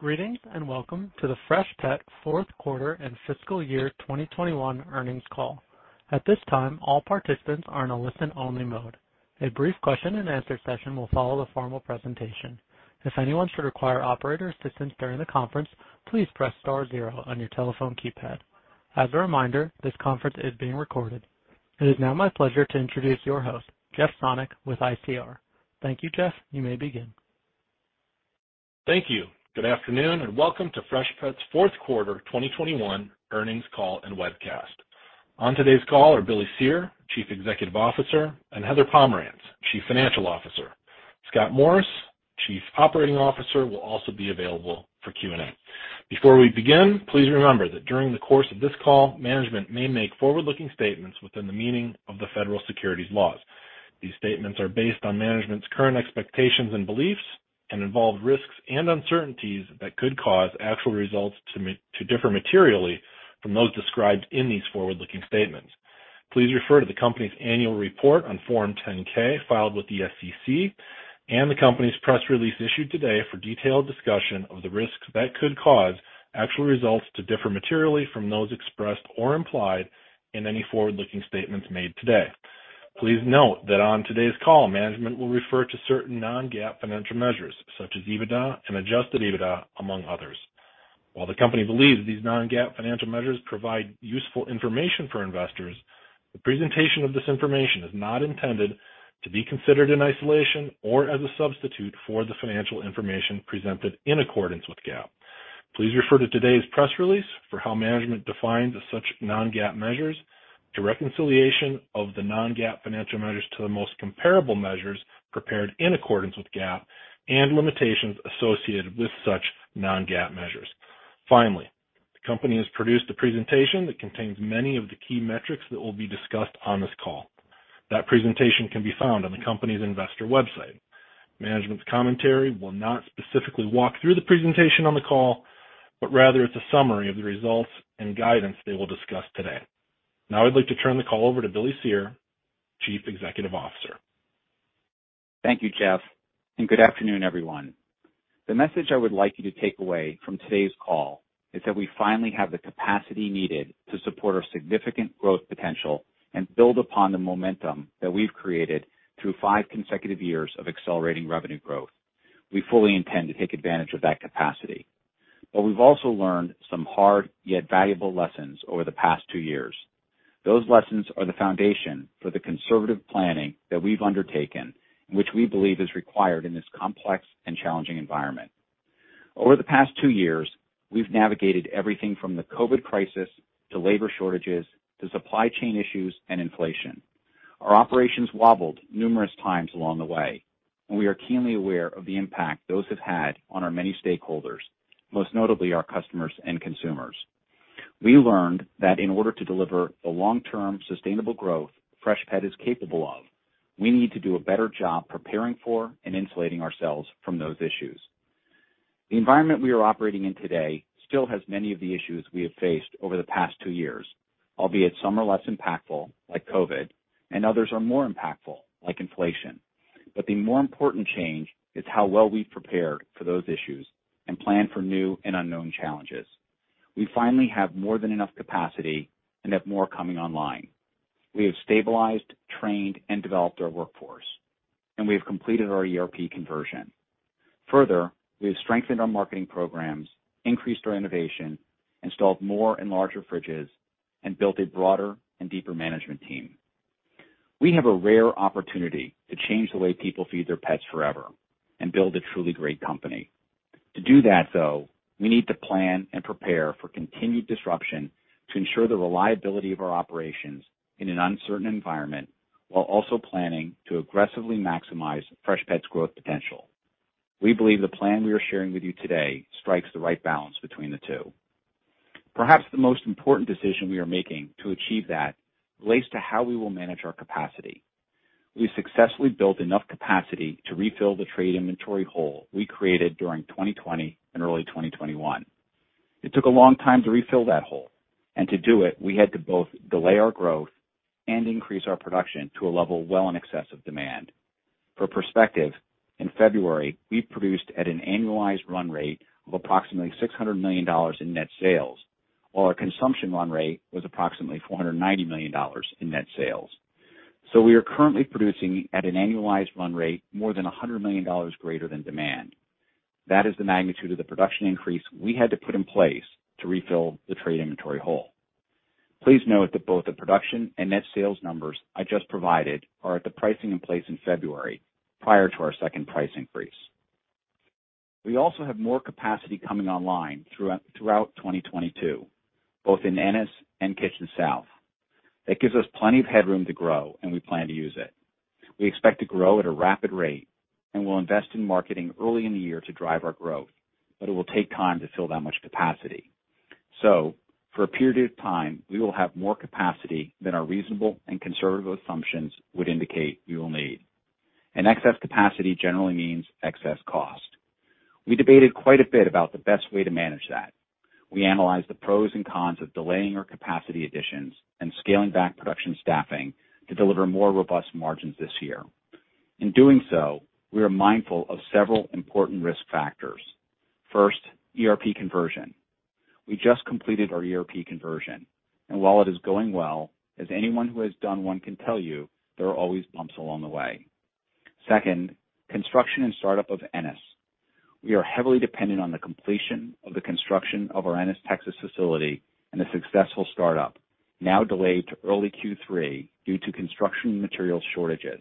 Greetings, and welcome to the Freshpet Fourth Quarter and Fiscal Year 2021 earnings call. At this time, all participants are in a listen-only mode. A brief question and answer session will follow the formal presentation. If anyone should require operator assistance during the conference, please press star zero on your telephone keypad. As a reminder, this conference is being recorded. It is now my pleasure to introduce your host, Jeff Sonnek with ICR. Thank you, Jeff. You may begin. Thank you. Good afternoon, and welcome to Freshpet's Fourth Quarter 2021 earnings call and webcast. On today's call are Billy Cyr, Chief Executive Officer, and Heather Pomerantz, Chief Financial Officer. Scott Morris, Chief Operating Officer, will also be available for Q&A. Before we begin, please remember that during the course of this call, management may make forward-looking statements within the meaning of the federal securities laws. These statements are based on management's current expectations and beliefs and involve risks and uncertainties that could cause actual results to differ materially from those described in these forward-looking statements. Please refer to the company's annual report on Form 10-K filed with the SEC and the company's press release issued today for detailed discussion of the risks that could cause actual results to differ materially from those expressed or implied in any forward-looking statements made today. Please note that on today's call, management will refer to certain non-GAAP financial measures such as EBITDA and adjusted EBITDA, among others. While the company believes these non-GAAP financial measures provide useful information for investors, the presentation of this information is not intended to be considered in isolation or as a substitute for the financial information presented in accordance with GAAP. Please refer to today's press release for how management defines such non-GAAP measures, a reconciliation of the non-GAAP financial measures to the most comparable measures prepared in accordance with GAAP, and limitations associated with such non-GAAP measures. Finally, the company has produced a presentation that contains many of the key metrics that will be discussed on this call. That presentation can be found on the company's investor website. Management's commentary will not specifically walk through the presentation on the call, but rather it's a summary of the results and guidance they will discuss today. Now I'd like to turn the call over to Billy Cyr, Chief Executive Officer. Thank you, Jeff, and good afternoon, everyone. The message I would like you to take away from today's call is that we finally have the capacity needed to support our significant growth potential, and build upon the momentum that we've created through five consecutive years of accelerating revenue growth. We fully intend to take advantage of that capacity, but we've also learned some hard yet valuable lessons over the past two years. Those lessons are the foundation for the conservative planning that we've undertaken, which we believe is required in this complex and challenging environment. Over the past two years, we've navigated everything from the COVID crisis to labor shortages to supply chain issues and inflation. Our operations wobbled numerous times along the way, and we are keenly aware of the impact those have had on our many stakeholders, most notably our customers and consumers. We learned that in order to deliver the long-term sustainable growth Freshpet is capable of, we need to do a better job preparing for and insulating ourselves from those issues. The environment we are operating in today still has many of the issues we have faced over the past two years, albeit some are less impactful, like COVID, and others are more impactful, like inflation. The more important change is how well we've prepared for those issues and plan for new and unknown challenges. We finally have more than enough capacity and have more coming online. We have stabilized, trained, and developed our workforce, and we have completed our ERP conversion. Further, we have strengthened our marketing programs, increased our innovation, installed more and larger fridges, and built a broader and deeper management team. We have a rare opportunity to change the way people feed their pets forever and build a truly great company. To do that, though, we need to plan and prepare for continued disruption to ensure the reliability of our operations in an uncertain environment, while also planning to aggressively maximize Freshpet's growth potential. We believe the plan we are sharing with you today strikes the right balance between the two. Perhaps the most important decision we are making to achieve that relates to how we will manage our capacity. We successfully built enough capacity to refill the trade inventory hole we created during 2020 and early 2021. It took a long time to refill that hole, and to do it, we had to both delay our growth and increase our production to a level well in excess of demand. For perspective, in February, we produced at an annualized run rate of approximately $600 million in net sales, while our consumption run rate was approximately $490 million in net sales. We are currently producing at an annualized run rate more than $100 million greater than demand. That is the magnitude of the production increase we had to put in place to refill the trade inventory hole. Please note that both the production and net sales numbers I just provided are at the pricing in place in February prior to our second price increase. We also have more capacity coming online throughout 2022, both in Ennis and Kitchens South. That gives us plenty of headroom to grow, and we plan to use it. We expect to grow at a rapid rate, and we'll invest in marketing early in the year to drive our growth, but it will take time to fill that much capacity. For a period of time, we will have more capacity than our reasonable and conservative assumptions would indicate we will need. Excess capacity generally means excess cost. We debated quite a bit about the best way to manage that. We analyze the pros and cons of delaying our capacity additions and scaling back production staffing to deliver more robust margins this year. In doing so, we are mindful of several important risk factors. First, ERP conversion. We just completed our ERP conversion, and while it is going well, as anyone who has done one can tell you, there are always bumps along the way. Second, construction and startup of Ennis. We are heavily dependent on the completion of the construction of our Ennis, Texas facility and a successful startup now delayed to early Q3 due to construction material shortages.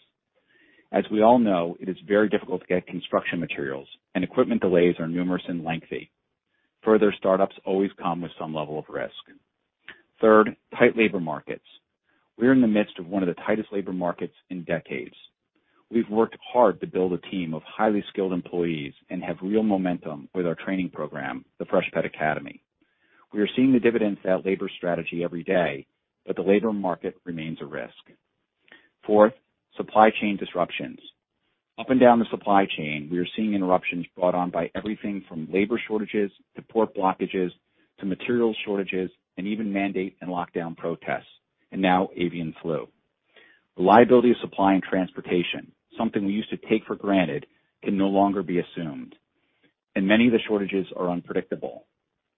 As we all know, it is very difficult to get construction materials and equipment delays are numerous and lengthy. Further, startups always come with some level of risk. Third, tight labor markets. We're in the midst of one of the tightest labor markets in decades. We've worked hard to build a team of highly skilled employees and have real momentum with our training program, the Freshpet Academy. We are seeing the dividends of that labor strategy every day, but the labor market remains a risk. Fourth, supply chain disruptions. Up and down the supply chain, we are seeing interruptions brought on by everything from labor shortages to port blockages to material shortages and even mandate and lockdown protests, and now avian flu. Reliability of supply and transportation, something we used to take for granted, can no longer be assumed, and many of the shortages are unpredictable.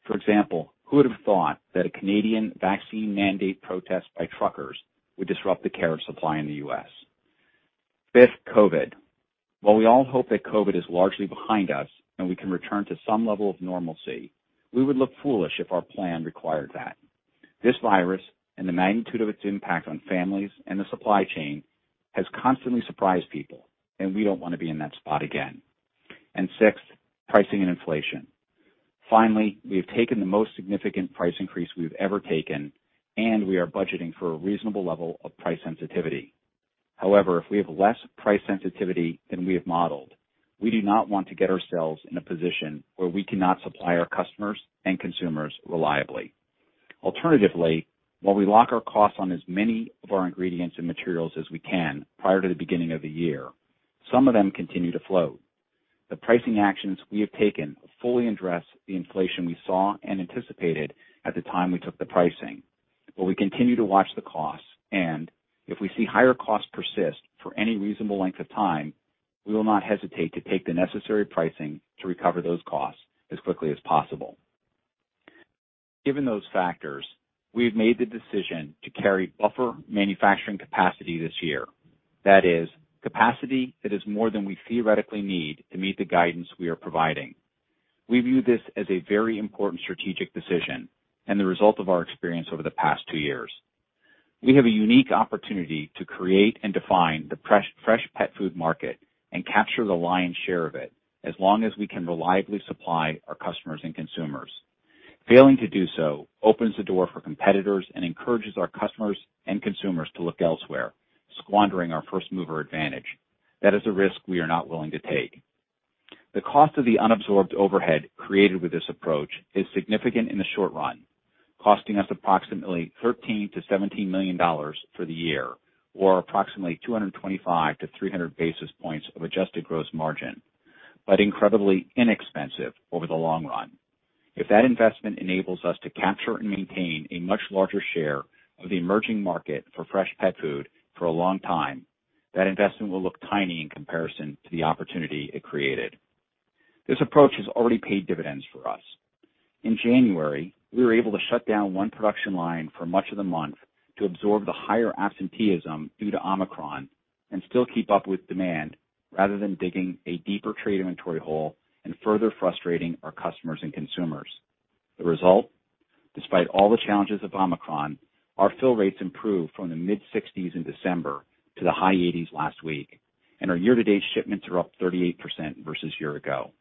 For example, who would have thought that a Canadian vaccine mandate protest by truckers would disrupt the flow of supply in the U.S.? Fifth, COVID. While we all hope that COVID is largely behind us and we can return to some level of normalcy, we would look foolish if our plan required that. This virus and the magnitude of its impact on families and the supply chain has constantly surprised people, and we don't wanna be in that spot again. Sixth, pricing and inflation. Finally, we have taken the most significant price increase we've ever taken, and we are budgeting for a reasonable level of price sensitivity. However, if we have less price sensitivity than we have modeled, we do not want to get ourselves in a position where we cannot supply our customers and consumers reliably. Alternatively, while we lock our costs on as many of our ingredients and materials as we can prior to the beginning of the year, some of them continue to flow. The pricing actions we have taken fully address the inflation we saw and anticipated at the time we took the pricing, but we continue to watch the costs. If we see higher costs persist for any reasonable length of time, we will not hesitate to take the necessary pricing to recover those costs as quickly as possible. Given those factors, we have made the decision to carry buffer manufacturing capacity this year. That is, capacity that is more than we theoretically need to meet the guidance we are providing. We view this as a very important strategic decision and the result of our experience over the past two years. We have a unique opportunity to create and define the fresh pet food market and capture the lion's share of it as long as we can reliably supply our customers and consumers. Failing to do so opens the door for competitors and encourages our customers and consumers to look elsewhere, squandering our first mover advantage. That is a risk we are not willing to take. The cost of the unabsorbed overhead created with this approach is significant in the short run, costing us approximately $13 million-$17 million for the year, or approximately 225-300 basis points of adjusted gross margin, but incredibly inexpensive over the long run. If that investment enables us to capture and maintain a much larger share of the emerging market for fresh pet food for a long time, that investment will look tiny in comparison to the opportunity it created. This approach has already paid dividends for us. In January, we were able to shut down one production line for much of the month to absorb the higher absenteeism due to Omicron and still keep up with demand rather than digging a deeper trade inventory hole and further frustrating our customers and consumers. The result, despite all the challenges of Omicron, our fill rates improved from the mid-60s in December to the high 80s last week, and our year-to-date shipments are up 38% versus year ago.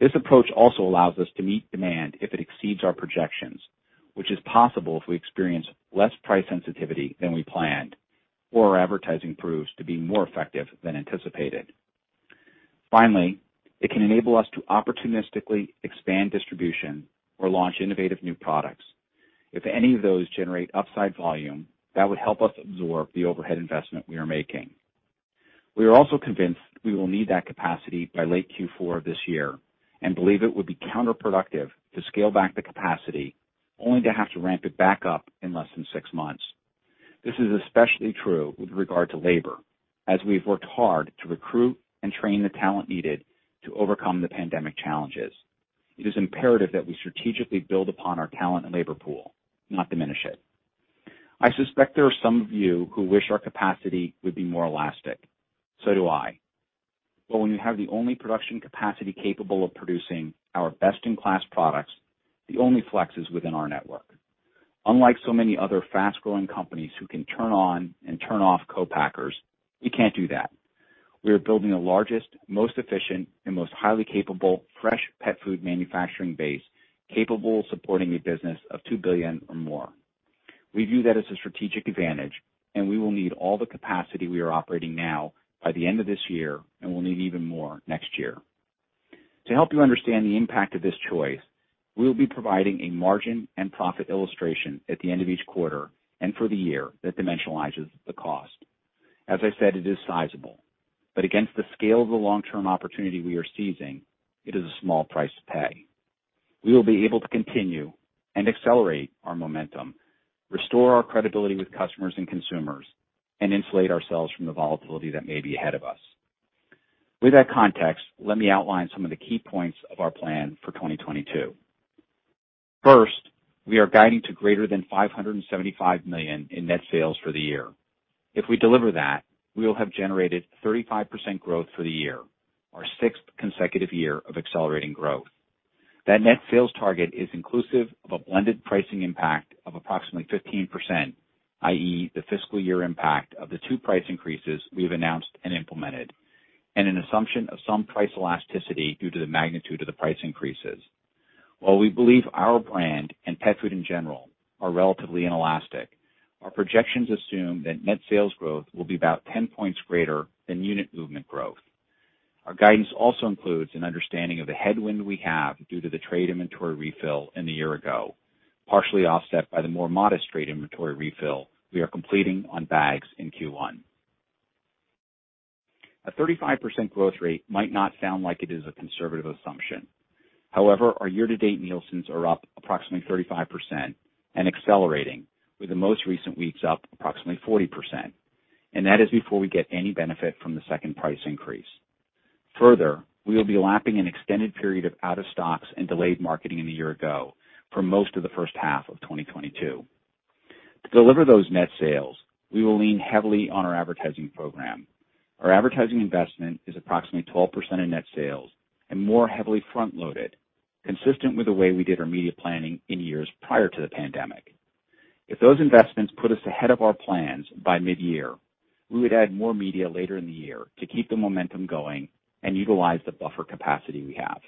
This approach also allows us to meet demand if it exceeds our projections, which is possible if we experience less price sensitivity than we planned, or our advertising proves to be more effective than anticipated. Finally, it can enable us to opportunistically expand distribution or launch innovative new products. If any of those generate upside volume, that would help us absorb the overhead investment we are making. We are also convinced we will need that capacity by late Q4 of this year and believe it would be counterproductive to scale back the capacity only to have to ramp it back up in less than six months. This is especially true with regard to labor, as we've worked hard to recruit and train the talent needed to overcome the pandemic challenges. It is imperative that we strategically build upon our talent and labor pool, not diminish it. I suspect there are some of you who wish our capacity would be more elastic. So do I. But when you have the only production capacity capable of producing our best-in-class products, the only flex is within our network. Unlike so many other fast-growing companies who can turn on and turn off co-packers, we can't do that. We are building the largest, most efficient, and most highly capable fresh pet food manufacturing base capable of supporting a business of $2 billion or more. We view that as a strategic advantage, and we will need all the capacity we are operating now by the end of this year and will need even more next year. To help you understand the impact of this choice, we will be providing a margin and profit illustration at the end of each quarter and for the year that dimensionalizes the cost. As I said, it is sizable, but against the scale of the long-term opportunity we are seizing, it is a small price to pay. We will be able to continue and accelerate our momentum, restore our credibility with customers and consumers, and insulate ourselves from the volatility that may be ahead of us. With that context, let me outline some of the key points of our plan for 2022. First, we are guiding to greater than $575 million in net sales for the year. If we deliver that, we will have generated 35% growth for the year, our sixth consecutive year of accelerating growth. That net sales target is inclusive of a blended pricing impact of approximately 15%, i.e., the fiscal year impact of the two price increases we have announced and implemented, and an assumption of some price elasticity due to the magnitude of the price increases. While we believe our brand and pet food in general are relatively inelastic, our projections assume that net sales growth will be about 10 points greater than unit movement growth. Our guidance also includes an understanding of the headwind we have due to the trade inventory refill in the year-ago, partially offset by the more modest trade inventory refill we are completing on bags in Q1. A 35% growth rate might not sound like it is a conservative assumption. However, our year-to-date Nielsen's are up approximately 35% and accelerating, with the most recent weeks up approximately 40%, and that is before we get any benefit from the second price increase. Further, we will be lapping an extended period of out-of-stocks and delayed marketing in the year-ago for most of the first half of 2022. To deliver those net sales, we will lean heavily on our advertising program. Our advertising investment is approximately 12% of net sales and more heavily front-loaded, consistent with the way we did our media planning in years prior to the pandemic. If those investments put us ahead of our plans by mid-year, we would add more media later in the year to keep the momentum going and utilize the buffer capacity we have.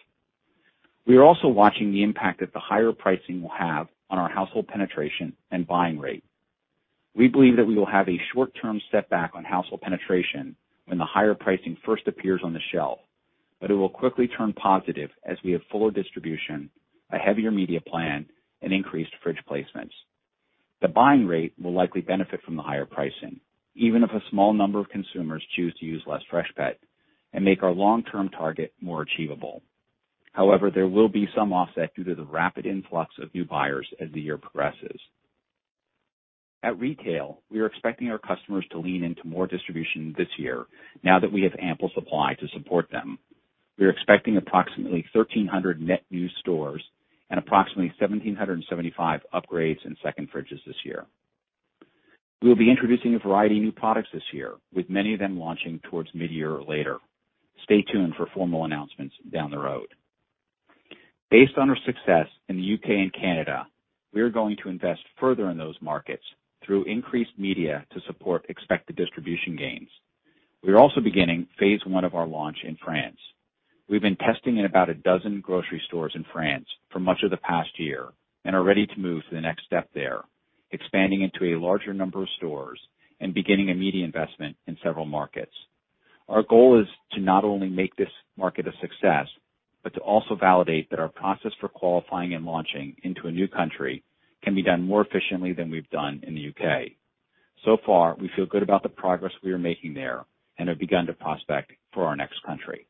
We are also watching the impact that the higher pricing will have on our household penetration and buying rate. We believe that we will have a short-term setback on household penetration when the higher pricing first appears on the shelf, but it will quickly turn positive as we have fuller distribution, a heavier media plan, and increased fridge placements. The buying rate will likely benefit from the higher pricing, even if a small number of consumers choose to use less Freshpet and make our long-term target more achievable. However, there will be some offset due to the rapid influx of new buyers as the year progresses. At retail, we are expecting our customers to lean into more distribution this year now that we have ample supply to support them. We are expecting approximately 1,300 net new stores and approximately 1,775 upgrades in second fridges this year. We will be introducing a variety of new products this year, with many of them launching towards mid-year or later. Stay tuned for formal announcements down the road. Based on our success in the U.K. and Canada, we are going to invest further in those markets through increased media to support expected distribution gains. We are also beginning phase one of our launch in France. We've been testing in about a dozen grocery stores in France for much of the past year and are ready to move to the next step there, expanding into a larger number of stores and beginning a media investment in several markets. Our goal is to not only make this market a success, but to also validate that our process for qualifying and launching into a new country can be done more efficiently than we've done in the U.K. So far, we feel good about the progress we are making there and have begun to prospect for our next country.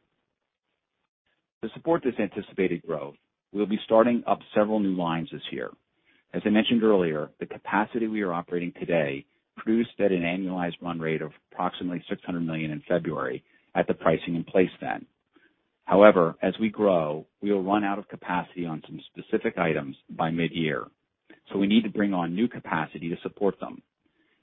To support this anticipated growth, we'll be starting up several new lines this year. As I mentioned earlier, the capacity we are operating today produced at an annualized run rate of approximately $600 million in February at the pricing in place then. However, as we grow, we will run out of capacity on some specific items by mid-year, so we need to bring on new capacity to support them.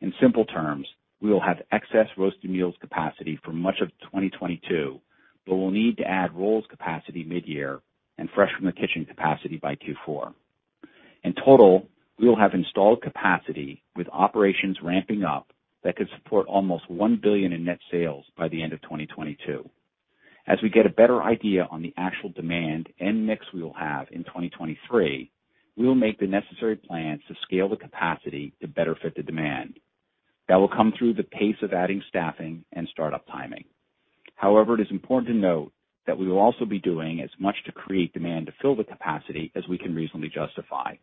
In simple terms, we will have excess roasted meals capacity for much of 2022, but we'll need to add rolls capacity mid-year and Fresh from the Kitchen capacity by Q4. In total, we will have installed capacity with operations ramping up that could support almost $1 billion in net sales by the end of 2022. As we get a better idea on the actual demand and mix we will have in 2023, we will make the necessary plans to scale the capacity to better fit the demand. That will come through the pace of adding staffing and startup timing. However, it is important to note that we will also be doing as much to create demand to fill the capacity as we can reasonably justify.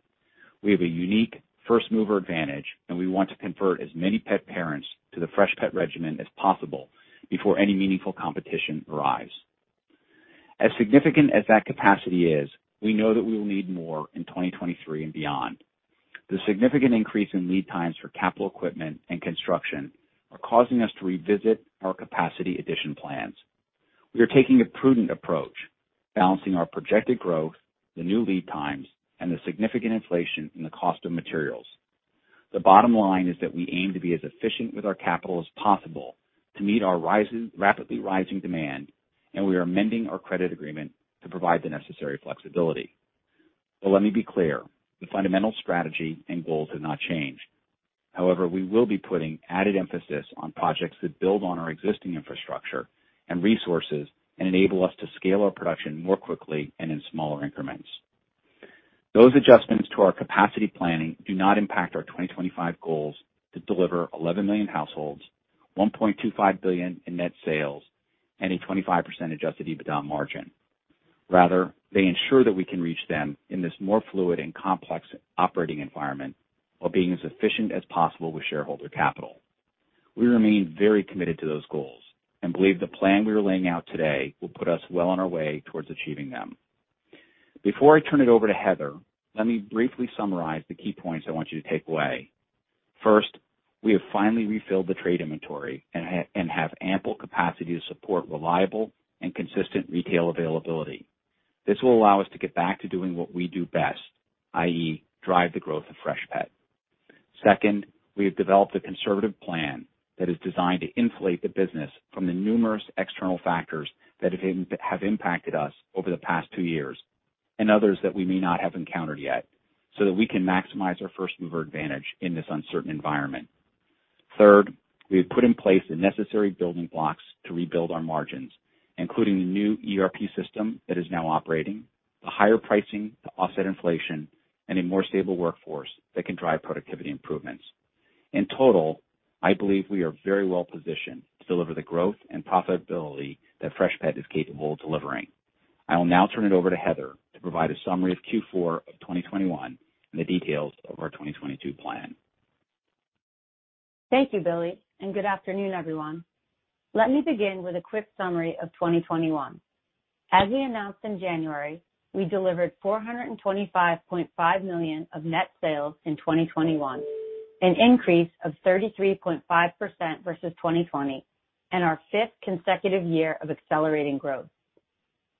We have a unique first-mover advantage, and we want to convert as many pet parents to the Freshpet regimen as possible before any meaningful competition arrives. As significant as that capacity is, we know that we will need more in 2023 and beyond. The significant increase in lead times for capital equipment and construction are causing us to revisit our capacity addition plans. We are taking a prudent approach, balancing our projected growth, the new lead times, and the significant inflation in the cost of materials. The bottom line is that we aim to be as efficient with our capital as possible to meet our rising, rapidly rising demand, and we are amending our credit agreement to provide the necessary flexibility. Let me be clear, the fundamental strategy and goals have not changed. However, we will be putting added emphasis on projects that build on our existing infrastructure and resources and enable us to scale our production more quickly and in smaller increments. Those adjustments to our capacity planning do not impact our 2025 goals to deliver 11 million households, $1.25 billion in net sales, and a 25% adjusted EBITDA margin. Rather, they ensure that we can reach them in this more fluid and complex operating environment while being as efficient as possible with shareholder capital. We remain very committed to those goals and believe the plan we are laying out today will put us well on our way towards achieving them. Before I turn it over to Heather, let me briefly summarize the key points I want you to take away. First, we have finally refilled the trade inventory and have ample capacity to support reliable and consistent retail availability. This will allow us to get back to doing what we do best, i.e., drive the growth of Freshpet. Second, we have developed a conservative plan that is designed to insulate the business from the numerous external factors that have impacted us over the past two years and others that we may not have encountered yet, so that we can maximize our first mover advantage in this uncertain environment. Third, we have put in place the necessary building blocks to rebuild our margins, including the new ERP system that is now operating, the higher pricing to offset inflation, and a more stable workforce that can drive productivity improvements. In total, I believe we are very well positioned to deliver the growth and profitability that Freshpet is capable of delivering. I will now turn it over to Heather to provide a summary of Q4 of 2021 and the details of our 2022 plan. Thank you, Billy, and good afternoon, everyone. Let me begin with a quick summary of 2021. As we announced in January, we delivered $425.5 million of net sales in 2021, an increase of 33.5% versus 2020 and our fifth consecutive year of accelerating growth.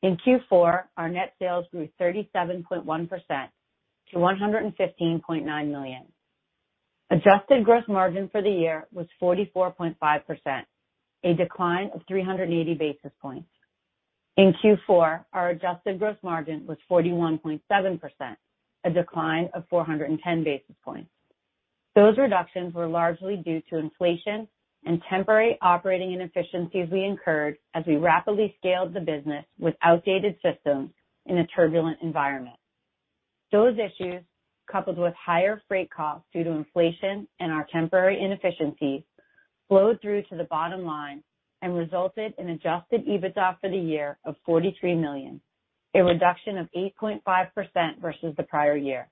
In Q4, our net sales grew 37.1% to $115.9 million. Adjusted gross margin for the year was 44.5%, a decline of 380 basis points. In Q4, our adjusted gross margin was 41.7%, a decline of 410 basis points. Those reductions were largely due to inflation and temporary operating inefficiencies we incurred as we rapidly scaled the business with outdated systems in a turbulent environment. Those issues, coupled with higher freight costs due to inflation and our temporary inefficiencies, flowed through to the bottom line and resulted in adjusted EBITDA for the year of $43 million, a reduction of 8.5% versus the prior year.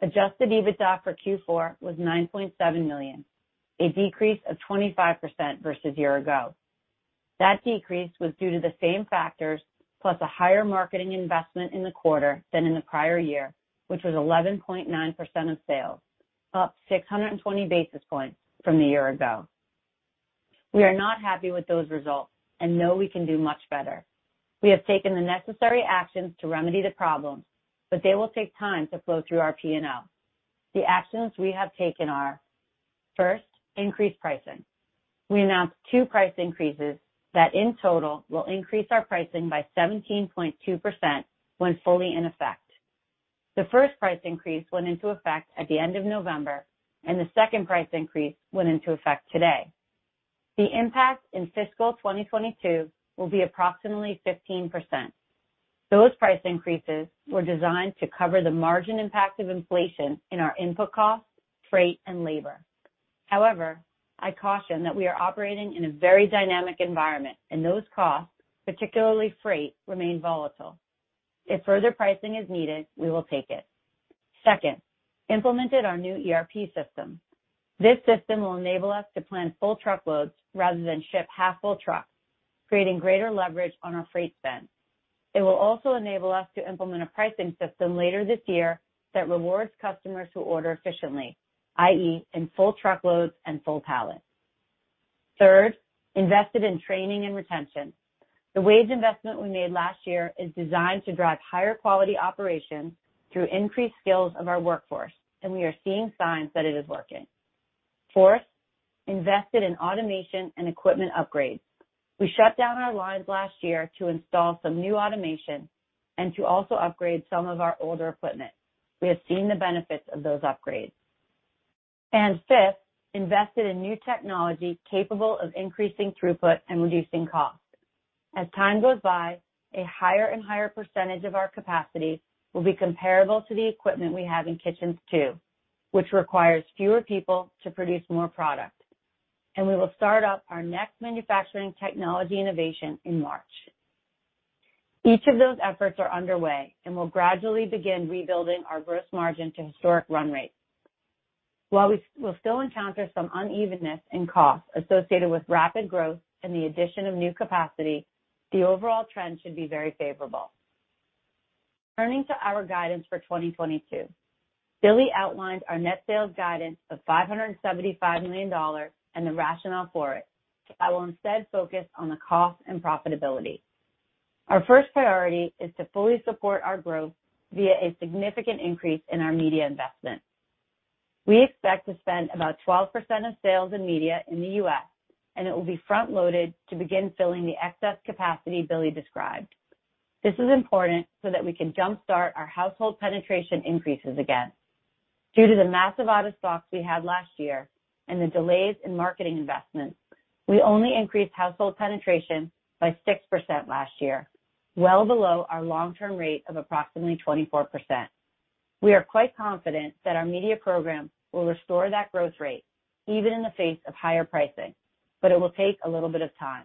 Adjusted EBITDA for Q4 was $9.7 million, a decrease of 25% versus year ago. That decrease was due to the same factors plus a higher marketing investment in the quarter than in the prior year, which was 11.9% of sales, up 620 basis points from the year ago. We are not happy with those results and know we can do much better. We have taken the necessary actions to remedy the problems, but they will take time to flow through our P&L. The actions we have taken are, first, increase pricing. We announced two price increases that in total will increase our pricing by 17.2% when fully in effect. The first price increase went into effect at the end of November, and the second price increase went into effect today. The impact in FY 2022 will be approximately 15%. Those price increases were designed to cover the margin impact of inflation in our input costs, freight, and labor. However, I caution that we are operating in a very dynamic environment, and those costs, particularly freight, remain volatile. If further pricing is needed, we will take it. Second, we implemented our new ERP system. This system will enable us to plan full truckloads rather than ship half full trucks, creating greater leverage on our freight spend. It will also enable us to implement a pricing system later this year that rewards customers who order efficiently, i.e., in full truckloads and full pallets. Third, invested in training and retention. The wage investment we made last year is designed to drive higher quality operations through increased skills of our workforce, and we are seeing signs that it is working. Fourth, invested in automation and equipment upgrades. We shut down our lines last year to install some new automation and to also upgrade some of our older equipment. We have seen the benefits of those upgrades. Fifth, invested in new technology capable of increasing throughput and reducing costs. As time goes by, a higher and higher percentage of our capacity will be comparable to the equipment we have in Kitchens 2.0, which requires fewer people to produce more product. We will start up our next manufacturing technology innovation in March. Each of those efforts are underway and will gradually begin rebuilding our gross margin to historic run rates. While we will still encounter some unevenness in costs associated with rapid growth and the addition of new capacity, the overall trend should be very favorable. Turning to our guidance for 2022. Billy outlined our net sales guidance of $575 million and the rationale for it. I will instead focus on the cost and profitability. Our first priority is to fully support our growth via a significant increase in our media investment. We expect to spend about 12% of sales in media in the U.S., and it will be front loaded to begin filling the excess capacity Billy described. This is important so that we can jumpstart our household penetration increases again. Due to the massive out of stocks we had last year and the delays in marketing investments, we only increased household penetration by 6% last year, well below our long-term rate of approximately 24%. We are quite confident that our media program will restore that growth rate even in the face of higher pricing, but it will take a little bit of time.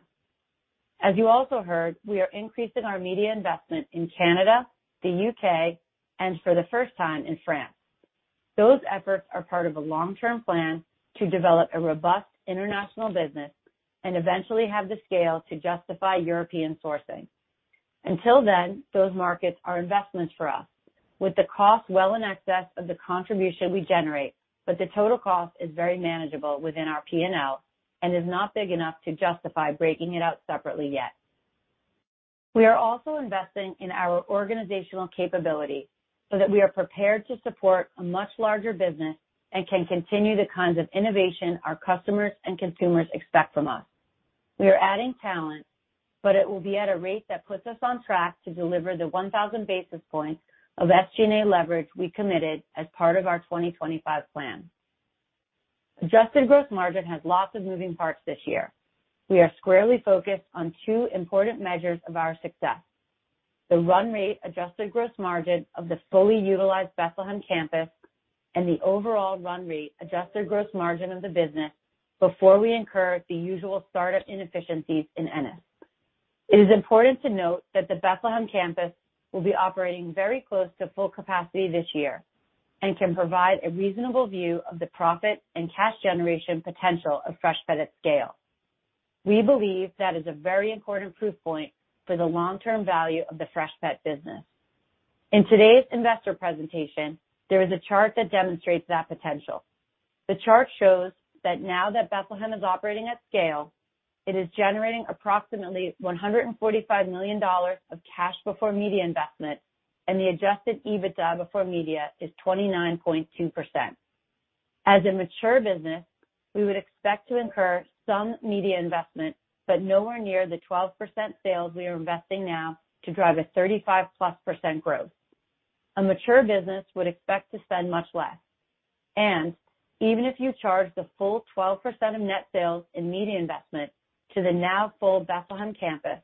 As you also heard, we are increasing our media investment in Canada, the U.K., and for the first time in France. Those efforts are part of a long-term plan to develop a robust international business and eventually have the scale to justify European sourcing. Until then, those markets are investments for us with the cost well in excess of the contribution we generate. The total cost is very manageable within our P&L and is not big enough to justify breaking it out separately yet. We are also investing in our organizational capability so that we are prepared to support a much larger business and can continue the kinds of innovation our customers and consumers expect from us. We are adding talent, but it will be at a rate that puts us on track to deliver the 1,000 basis points of SG&A leverage we committed as part of our 2025 plan. Adjusted gross margin has lots of moving parts this year. We are squarely focused on two important measures of our success. The run rate adjusted gross margin of the fully utilized Bethlehem campus and the overall run rate adjusted gross margin of the business before we incur the usual startup inefficiencies in Ennis. It is important to note that the Bethlehem campus will be operating very close to full capacity this year and can provide a reasonable view of the profit and cash generation potential of Freshpet at scale. We believe that is a very important proof point for the long-term value of the Freshpet business. In today's investor presentation, there is a chart that demonstrates that potential. The chart shows that now that Bethlehem is operating at scale, it is generating approximately $145 million of cash before media investment, and the adjusted EBITDA before media is 29.2%. As a mature business, we would expect to incur some media investment, but nowhere near the 12% of sales we are investing now to drive a 35%+ growth. A mature business would expect to spend much less. Even if you charge the full 12% of net sales in media investment to the now full Bethlehem campus,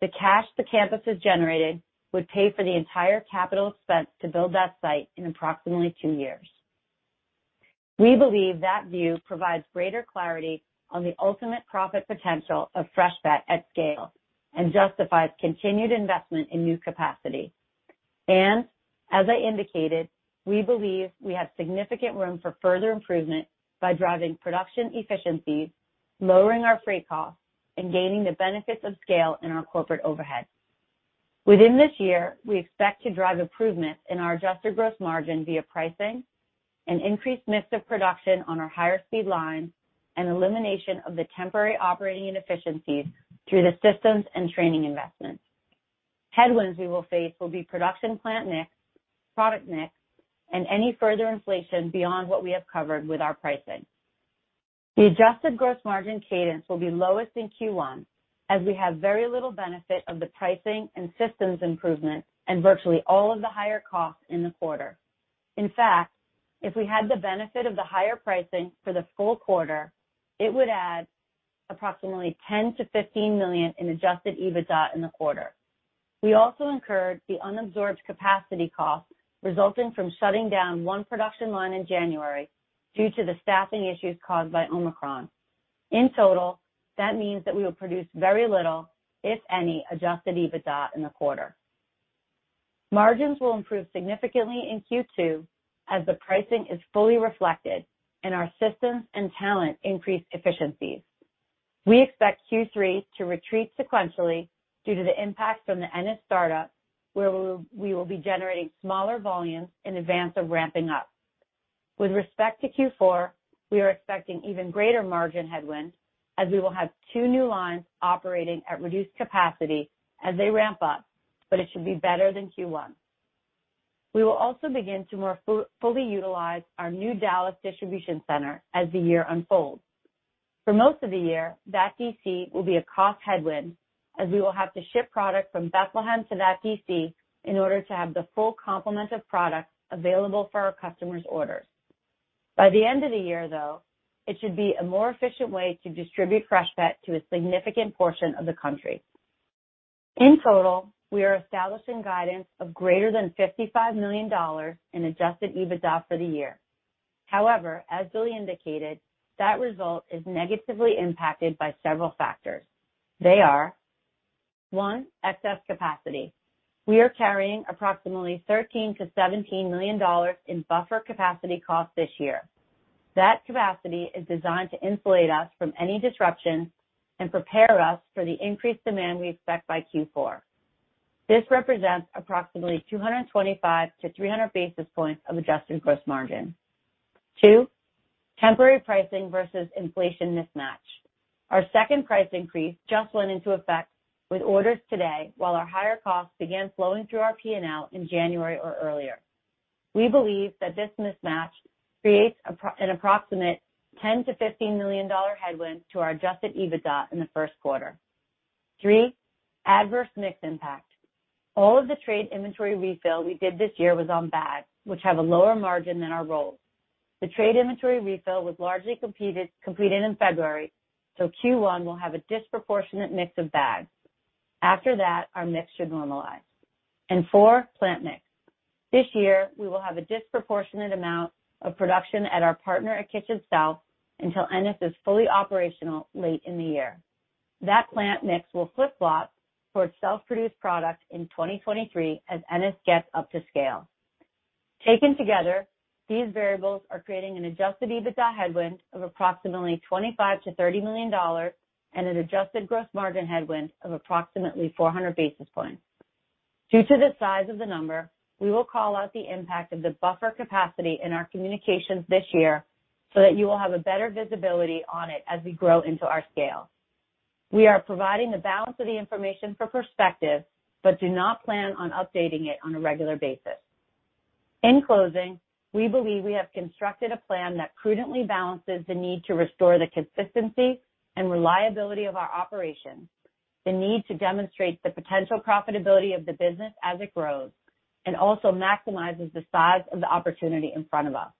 the cash the campus has generated would pay for the entire capital spent to build that site in approximately two years. We believe that view provides greater clarity on the ultimate profit potential of Freshpet at scale and justifies continued investment in new capacity. As I indicated, we believe we have significant room for further improvement by driving production efficiencies, lowering our freight costs, and gaining the benefits of scale in our corporate overhead. Within this year, we expect to drive improvements in our adjusted gross margin via pricing and increased mix of production on our higher speed lines and elimination of the temporary operating inefficiencies through the systems and training investments. Headwinds we will face will be production plant mix, product mix, and any further inflation beyond what we have covered with our pricing. The adjusted gross margin cadence will be lowest in Q1 as we have very little benefit of the pricing and systems improvement and virtually all of the higher costs in the quarter. In fact, if we had the benefit of the higher pricing for the full quarter, it would add approximately $10 million-$15 million in adjusted EBITDA in the quarter. We also incurred the unabsorbed capacity costs resulting from shutting down one production line in January due to the staffing issues caused by Omicron. In total, that means that we will produce very little, if any, adjusted EBITDA in the quarter. Margins will improve significantly in Q2 as the pricing is fully reflected and our systems and talent increase efficiencies. We expect Q3 to retreat sequentially due to the impact from the Ennis startup, where we will be generating smaller volumes in advance of ramping up. With respect to Q4, we are expecting even greater margin headwinds as we will have two new lines operating at reduced capacity as they ramp up, but it should be better than Q1. We will also begin to more fully utilize our new Dallas distribution center as the year unfolds. For most of the year, that DC will be a cost headwind as we will have to ship product from Bethlehem to that DC in order to have the full complement of products available for our customers' orders. By the end of the year, though, it should be a more efficient way to distribute Freshpet to a significant portion of the country. In total, we are establishing guidance of greater than $55 million in adjusted EBITDA for the year. However, as Billy indicated, that result is negatively impacted by several factors. They are one, excess capacity. We are carrying approximately $13 million-$17 million in buffer capacity costs this year. That capacity is designed to insulate us from any disruption and prepare us for the increased demand we expect by Q4. This represents approximately 225-300 basis points of adjusted gross margin. Two, temporary pricing versus inflation mismatch. Our second price increase just went into effect with orders today while our higher costs began flowing through our P&L in January or earlier. We believe that this mismatch creates an approximate $10 million-$15 million headwind to our adjusted EBITDA in the first quarter. Three, adverse mix impact. All of the trade inventory refill we did this year was on bags, which have a lower margin than our rolls. The trade inventory refill was largely completed in February, so Q1 will have a disproportionate mix of bags. After that, our mix should normalize. Four, plant mix. This year, we will have a disproportionate amount of production at our partner at Kitchens South until Ennis is fully operational late in the year. That plant mix will flip-flop for self-produced product in 2023 as Ennis gets up to scale. Taken together, these variables are creating an adjusted EBITDA headwind of approximately $25 million-$30 million and an adjusted gross margin headwind of approximately 400 basis points. Due to the size of the number, we will call out the impact of the buffer capacity in our communications this year so that you will have a better visibility on it as we grow into our scale. We are providing the balance of the information for perspective, but do not plan on updating it on a regular basis. In closing, we believe we have constructed a plan that prudently balances the need to restore the consistency and reliability of our operations, the need to demonstrate the potential profitability of the business as it grows, and also maximizes the size of the opportunity in front of us.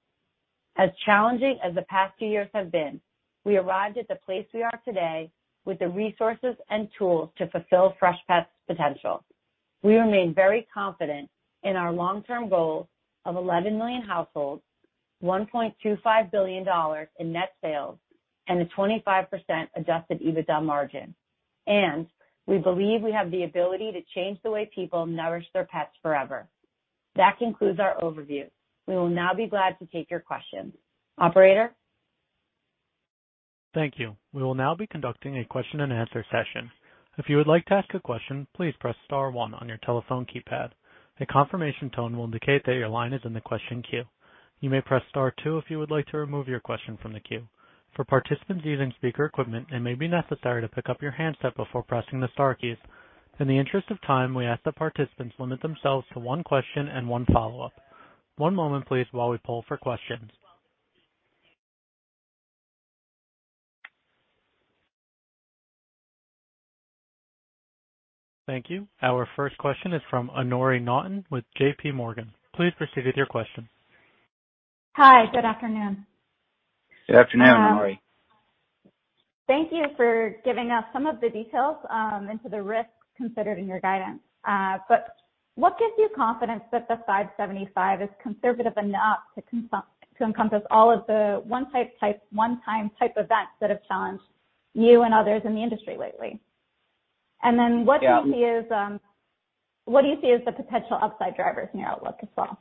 As challenging as the past two years have been, we arrived at the place we are today with the resources and tools to fulfill Freshpet's potential. We remain very confident in our long-term goals of 11 million households, $1.25 billion in net sales, and a 25% adjusted EBITDA margin. We believe we have the ability to change the way people nourish their pets forever. That concludes our overview. We will now be glad to take your questions. Operator? Thank you. We will now be conducting a question-and-answer session. If you would like to ask a question, please press star one on your telephone keypad. A confirmation tone will indicate that your line is in the question queue. You may press star two if you would like to remove your question from the queue. For participants using speaker equipment, it may be necessary to pick up your handset before pressing the star keys. In the interest of time, we ask that participants limit themselves to one question and one follow-up. One moment, please, while we poll for questions. Thank you. Our first question is from Anoori Naughton with JPMorgan. Please proceed with your question. Hi, good afternoon. Good afternoon, Anoori. Thank you for giving us some of the details into the risks considered in your guidance. What gives you confidence that the $575 is conservative enough to encompass all of the one-time type events that have challenged you and others in the industry lately? What do you see as the potential upside drivers in your outlook as well?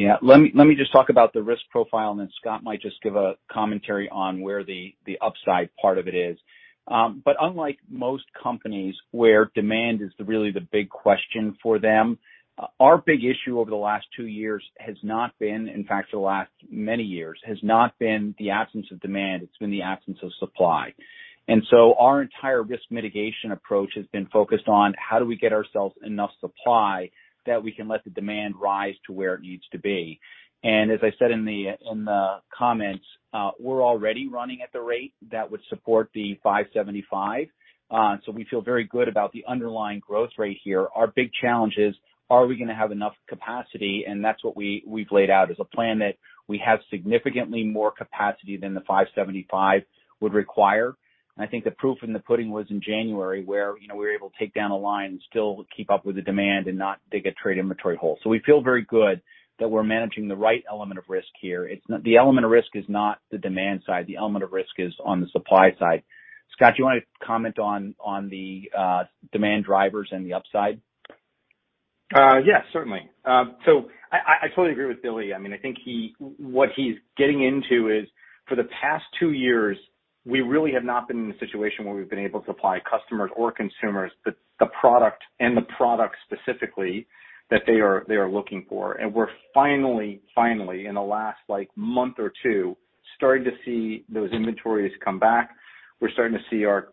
Let me just talk about the risk profile, and then Scott might just give a commentary on where the upside part of it is. Unlike most companies where demand is really the big question for them, our big issue over the last two years, in fact the last many years, has not been the absence of demand, it's been the absence of supply. Our entire risk mitigation approach has been focused on how do we get ourselves enough supply that we can let the demand rise to where it needs to be. As I said in the comments, we're already running at the rate that would support the $575. We feel very good about the underlying growth rate here. Our big challenge is, are we gonna have enough capacity? That's what we've laid out is a plan that we have significantly more capacity than the $575 would require. I think the proof in the pudding was in January, where you know we were able to take down a line and still keep up with the demand and not dig a trade inventory hole. We feel very good that we're managing the right element of risk here. It's not the demand side. The element of risk is not the demand side. The element of risk is on the supply side. Scott, do you wanna comment on the demand drivers and the upside? Yeah, certainly. So I totally agree with Billy. I mean, I think what he's getting into is, for the past two years, we really have not been in a situation where we've been able to supply customers or consumers the product and the product specifically that they are looking for. We're finally in the last like month or two, starting to see those inventories come back. We're starting to see our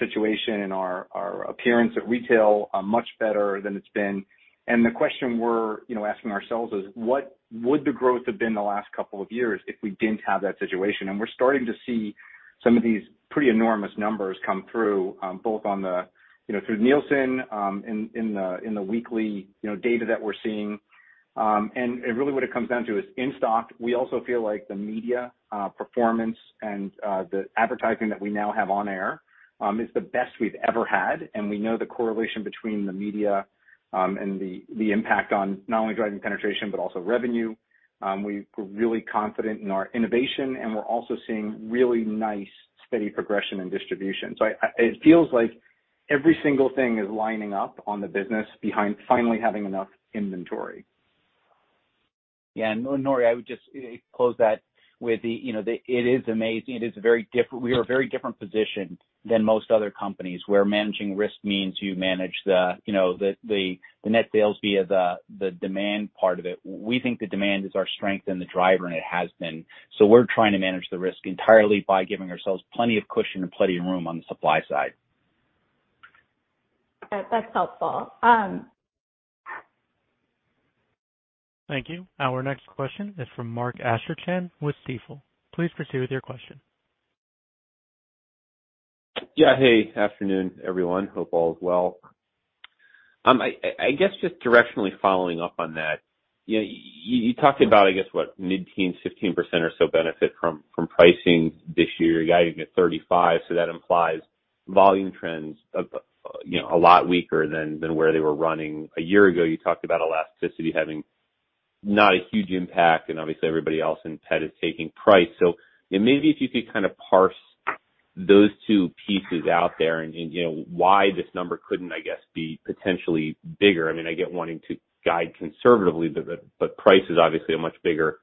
situation and our appearance at retail much better than it's been. The question we're asking ourselves is, what would the growth have been the last couple of years if we didn't have that situation? We're starting to see some of these pretty enormous numbers come through, both on the, you know, through Nielsen in the weekly, you know, data that we're seeing. Really what it comes down to is in stock. We also feel like the media performance and the advertising that we now have on air is the best we've ever had. We know the correlation between the media and the impact on not only driving penetration but also revenue. We're really confident in our innovation, and we're also seeing really nice, steady progression in distribution. It feels like every single thing is lining up on the business behind finally having enough inventory. Yeah. Anoori, I would just close that with the, you know, it is amazing. It is very different. We are in a very different position than most other companies, where managing risk means you manage the, you know, the net sales via the demand part of it. We think the demand is our strength and the driver, and it has been. We're trying to manage the risk entirely by giving ourselves plenty of cushion and plenty of room on the supply side. That's helpful. Thank you. Our next question is from Mark Astrachan with Stifel. Please proceed with your question. Good afternoon, everyone. Hope all is well. I guess just directionally following up on that, you talked about, I guess, what mid-teens 15% or so benefit from pricing this year. Guiding at 35, so that implies volume trends, you know, a lot weaker than where they were running a year ago. You talked about elasticity having not a huge impact, and obviously everybody else in pet is taking price. Maybe if you could kind of parse those two pieces out there and you know, why this number couldn't, I guess, be potentially bigger. I mean, I get wanting to guide conservatively, but price is obviously a much bigger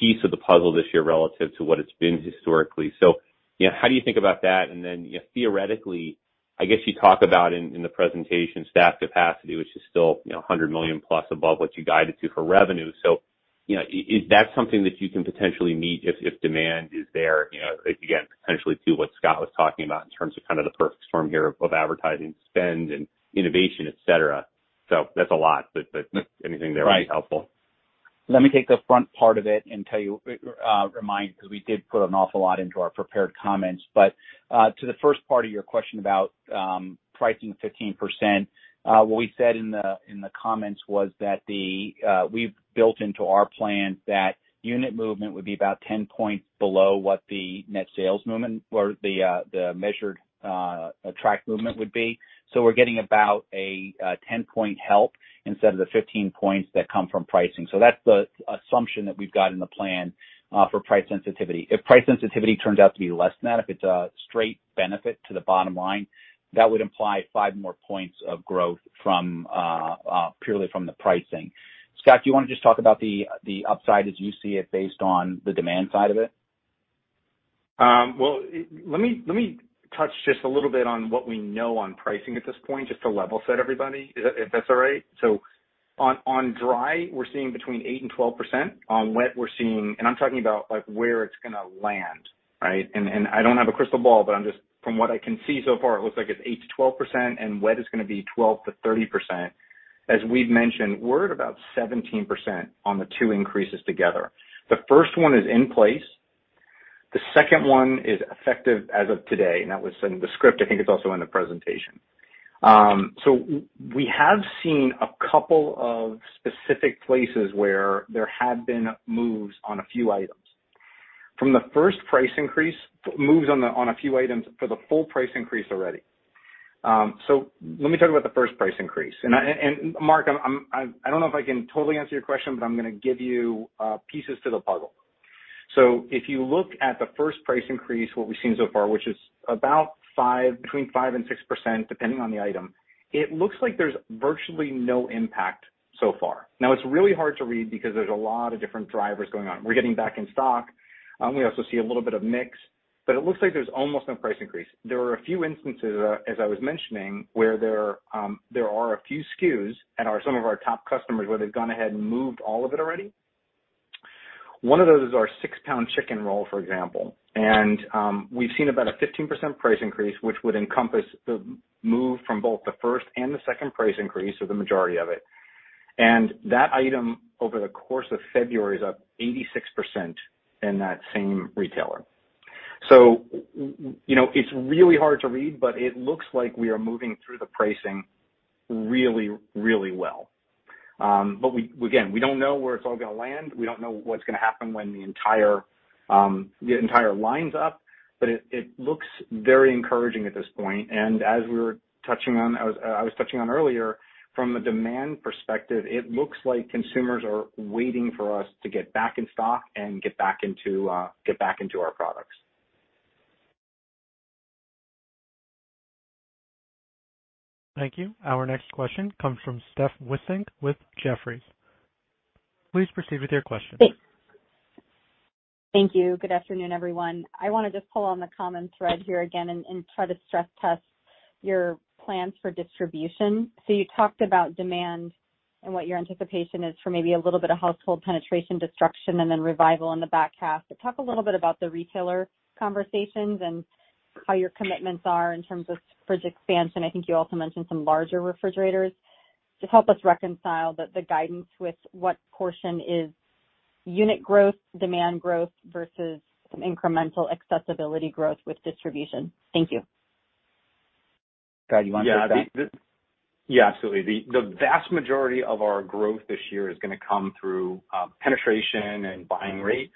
piece of the puzzle this year relative to what it has been historically. You know, how do you think about that? Then, you know, theoretically, I guess you talk about in the presentation, plant capacity, which is still, you know, $100+ million above what you guided to for revenue. You know, is that something that you can potentially meet if demand is there? You know, again, potentially to what Scott was talking about in terms of kind of the perfect storm here of advertising spend and innovation, et cetera. That's a lot, but anything there would be helpful. Right. Let me take the front part of it and remind you, because we did put an awful lot into our prepared comments. To the first part of your question about pricing 15%, what we said in the comments was that we've built into our plan that unit movement would be about 10 points below what the net sales movement or the measured track movement would be. We're getting about a 10-point help instead of the 15 points that come from pricing. That's the assumption that we've got in the plan for price sensitivity. If price sensitivity turns out to be less than that, if it's a straight benefit to the bottom line, that would imply five more points of growth purely from the pricing. Scott, do you wanna just talk about the upside as you see it based on the demand side of it? Well, let me touch just a little bit on what we know on pricing at this point, just to level set everybody, if that's all right. On dry, we're seeing between 8% and 12%. On wet, we're seeing and I'm talking about, like, where it's gonna land, right? I don't have a crystal ball, but I'm just from what I can see so far, it looks like it's 8%-12%, and wet is gonna be 12%-30%. As we've mentioned, we're at about 17% on the two increases together. The first one is in place. The second one is effective as of today, and that was in the script. I think it's also in the presentation. We have seen a couple of specific places where there have been moves on a few items. Let me talk about the first price increase. Mark, I don't know if I can totally answer your question, but I'm gonna give you pieces to the puzzle. If you look at the first price increase, what we've seen so far, which is about 5%, between 5% and 6%, depending on the item, it looks like there's virtually no impact so far. Now, it's really hard to read because there's a lot of different drivers going on. We're getting back in stock. We also see a little bit of mix, but it looks like there's almost no price increase. There are a few instances, as I was mentioning, where there are a few SKUs at our some of our top customers where they've gone ahead and moved all of it already. One of those is our 6 lb chicken roll, for example. We've seen about a 15% price increase, which would encompass the move from both the first and the second price increase or the majority of it. That item, over the course of February, is up 86% in that same retailer. You know, it's really hard to read, but it looks like we are moving through the pricing really, really well. Again, we don't know where it's all gonna land. We don't know what's gonna happen when the entire the entire line's up, but it looks very encouraging at this point. As I was touching on earlier, from a demand perspective, it looks like consumers are waiting for us to get back in stock and get back into our products. Thank you. Our next question comes from Steph Wissink with Jefferies. Please proceed with your question. Thank you. Good afternoon, everyone. I wanna just pull on the common thread here again and try to stress test your plans for distribution. You talked about demand and what your anticipation is for maybe a little bit of household penetration destruction and then revival in the back half. Talk a little bit about the retailer conversations and how your commitments are in terms of fridge expansion. I think you also mentioned some larger refrigerators. Just help us reconcile the guidance with what portion is unit growth, demand growth, versus some incremental accessibility growth with distribution. Thank you. Scott, do you wanna take that? Yeah, absolutely. The vast majority of our growth this year is gonna come through penetration and buying rate.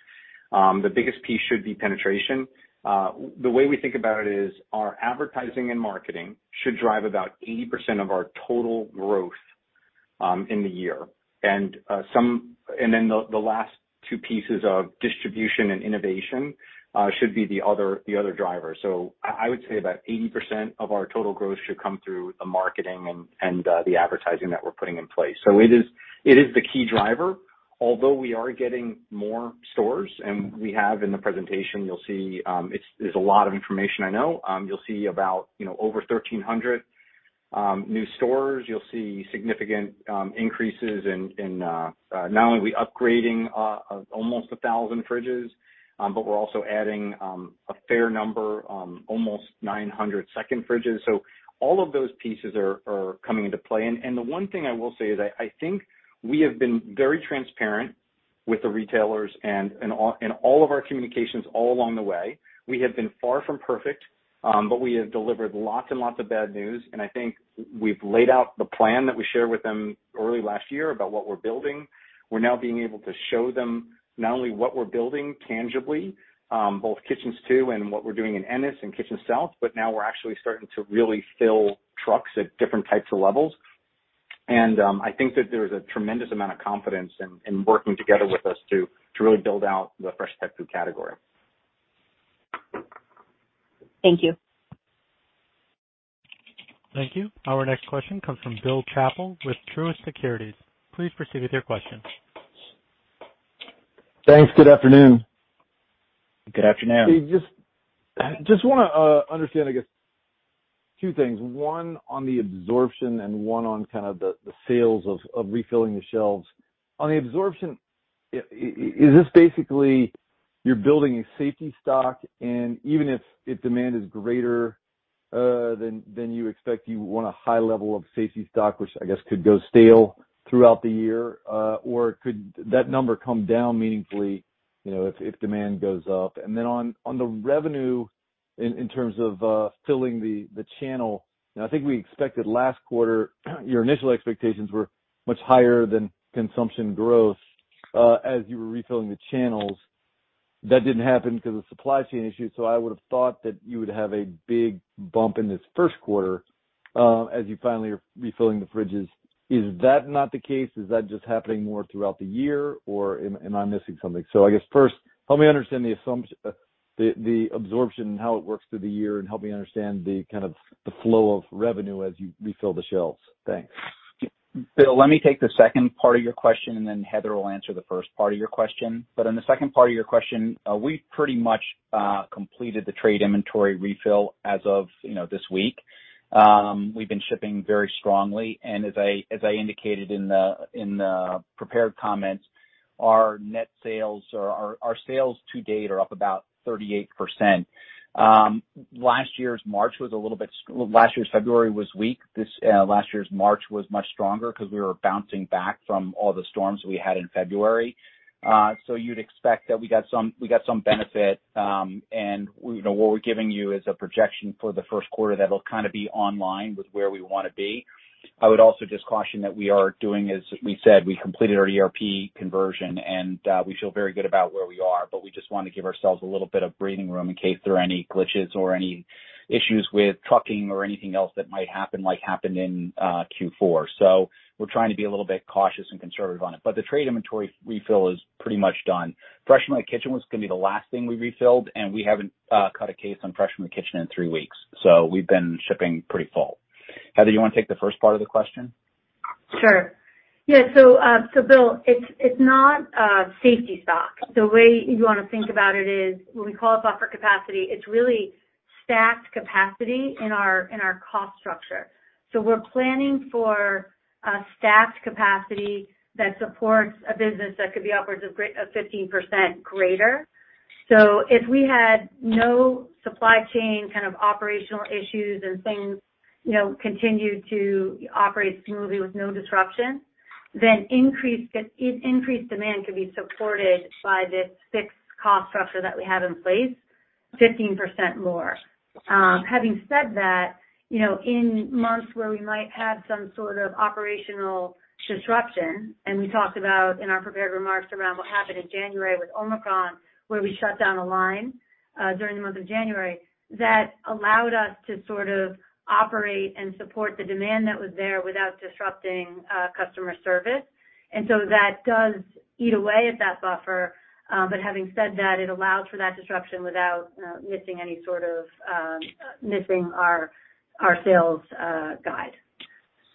The biggest piece should be penetration. The way we think about it is our advertising and marketing should drive about 80% of our total growth in the year. The last two pieces of distribution and innovation should be the other driver. I would say about 80% of our total growth should come through the marketing and the advertising that we're putting in place. It is the key driver. Although we are getting more stores, and we have in the presentation, you'll see, there's a lot of information, I know. You'll see about, you know, over 1,300 new stores. You'll see significant increases in not only are we upgrading almost 1,000 fridges, but we're also adding a fair number, almost 900 second fridges. All of those pieces are coming into play. The one thing I will say is I think we have been very transparent. With the retailers and all of our communications all along the way. We have been far from perfect, but we have delivered lots and lots of bad news. I think we've laid out the plan that we shared with them early last year about what we're building. We're now being able to show them not only what we're building tangibly, both Kitchens 2.0 and what we're doing in Ennis and Kitchens South, but now we're actually starting to really fill trucks at different types of levels. I think that there's a tremendous amount of confidence in working together with us to really build out the fresh pet food category. Thank you. Thank you. Our next question comes from Bill Chappell with Truist Securities. Please proceed with your question. Thanks. Good afternoon. Good afternoon. Hey, just wanna understand, I guess two things. One on the absorption and one on kind of the sales of refilling the shelves. On the absorption, is this basically you're building a safety stock and even if demand is greater than you expect, you want a high level of safety stock, which I guess could go stale throughout the year? Or could that number come down meaningfully, you know, if demand goes up? On the revenue in terms of filling the channel, and I think we expected last quarter, your initial expectations were much higher than consumption growth as you were refilling the channels. That didn't happen 'cause of supply chain issues. I would have thought that you would have a big bump in this first quarter, as you finally are refilling the fridges. Is that not the case? Is that just happening more throughout the year, or am I missing something? I guess first, help me understand the absorption and how it works through the year, and help me understand the kind of the flow of revenue as you refill the shelves. Thanks. Bill, let me take the second part of your question, and then Heather will answer the first part of your question. On the second part of your question, we pretty much completed the trade inventory refill as of, you know, this week. We've been shipping very strongly, and as I indicated in the prepared comments, our net sales or our sales to date are up about 38%. Last year's February was weak. Last year's March was much stronger 'cause we were bouncing back from all the storms we had in February. You'd expect that we got some benefit, you know, what we're giving you is a projection for the first quarter that'll kinda be in line with where we wanna be. I would also just caution that we are doing, as we said, we completed our ERP conversion and we feel very good about where we are, but we just wanna give ourselves a little bit of breathing room in case there are any glitches or any issues with trucking or anything else that might happen, like happened in Q4. We're trying to be a little bit cautious and conservative on it. The trade inventory refill is pretty much done. Fresh from The Kitchen was gonna be the last thing we refilled, and we haven't cut a case on Fresh from The Kitchen in three weeks. We've been shipping pretty full. Heather, you wanna take the first part of the question? Sure. Yeah. Bill, it's not safety stock. The way you wanna think about it is when we call it buffer capacity, it's really stacked capacity in our cost structure. We're planning for a staffed capacity that supports a business that could be upwards of 15% greater. If we had no supply chain kind of operational issues and things, you know, continued to operate smoothly with no disruption, then increased demand could be supported by this fixed cost structure that we have in place 15% more. Having said that, you know, in months where we might have some sort of operational disruption, and we talked about in our prepared remarks around what happened in January with Omicron, where we shut down a line during the month of January, that allowed us to sort of operate and support the demand that was there without disrupting customer service. That does eat away at that buffer. But having said that, it allows for that disruption without missing our sales guide.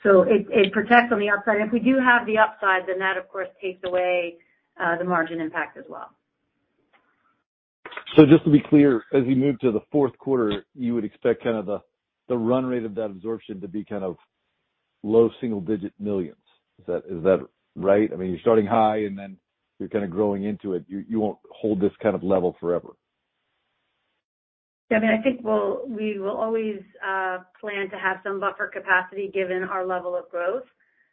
It protects on the upside. If we do have the upside, then that, of course, takes away the margin impact as well. Just to be clear, as we move to the fourth quarter, you would expect kind of the run rate of that absorption to be kind of low single-digit millions. Is that right? I mean, you're starting high, and then you're kinda growing into it. You won't hold this kind of level forever. Yeah. I mean, I think we will always plan to have some buffer capacity given our level of growth.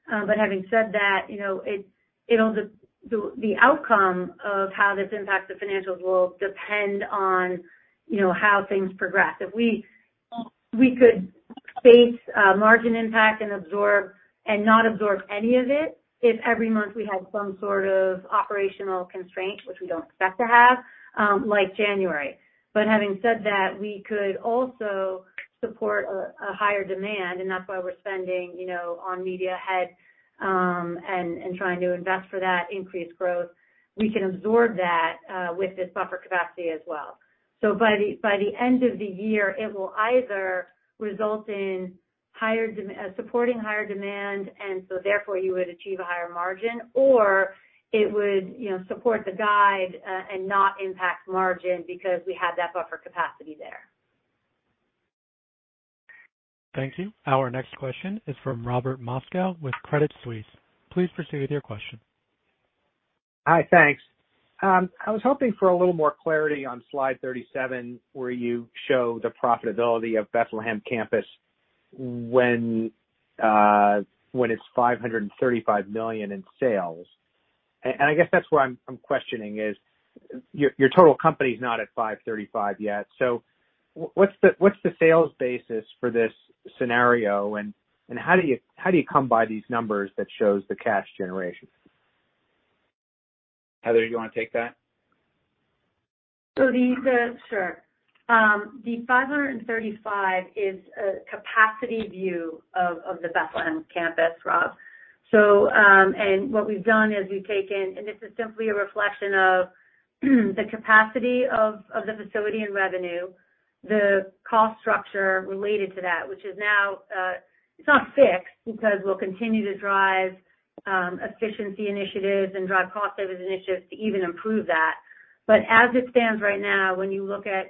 Having said that, you know, the outcome of how this impacts the financials will depend on, you know, how things progress. If we could face margin impact and absorb and not absorb any of it if every month we had some sort of operational constraint, which we don't expect to have, like January. Having said that, we could also support a higher demand, and that's why we're spending, you know, on media ahead, and trying to invest for that increased growth. We can absorb that with this buffer capacity as well. By the end of the year, it will either result in supporting higher demand, and so therefore you would achieve a higher margin, or it would, you know, support the guide, and not impact margin because we have that buffer capacity there. Thank you. Our next question is from Robert Moskow with Credit Suisse. Please proceed with your question. Hi. Thanks. I was hoping for a little more clarity on slide 37, where you show the profitability of Bethlehem Campus when it's $535 million in sales. And I guess that's where I'm questioning is your total company not at $535 million yet, so what's the sales basis for this scenario? And how do you come by these numbers that shows the cash generation? Heather, you wanna take that? The $535 million is a capacity view of the Bethlehem Campus, Rob. This is simply a reflection of the capacity of the facility and revenue, the cost structure related to that, which is now, it's not fixed because we'll continue to drive efficiency initiatives and drive cost savings initiatives to even improve that. As it stands right now, when you look at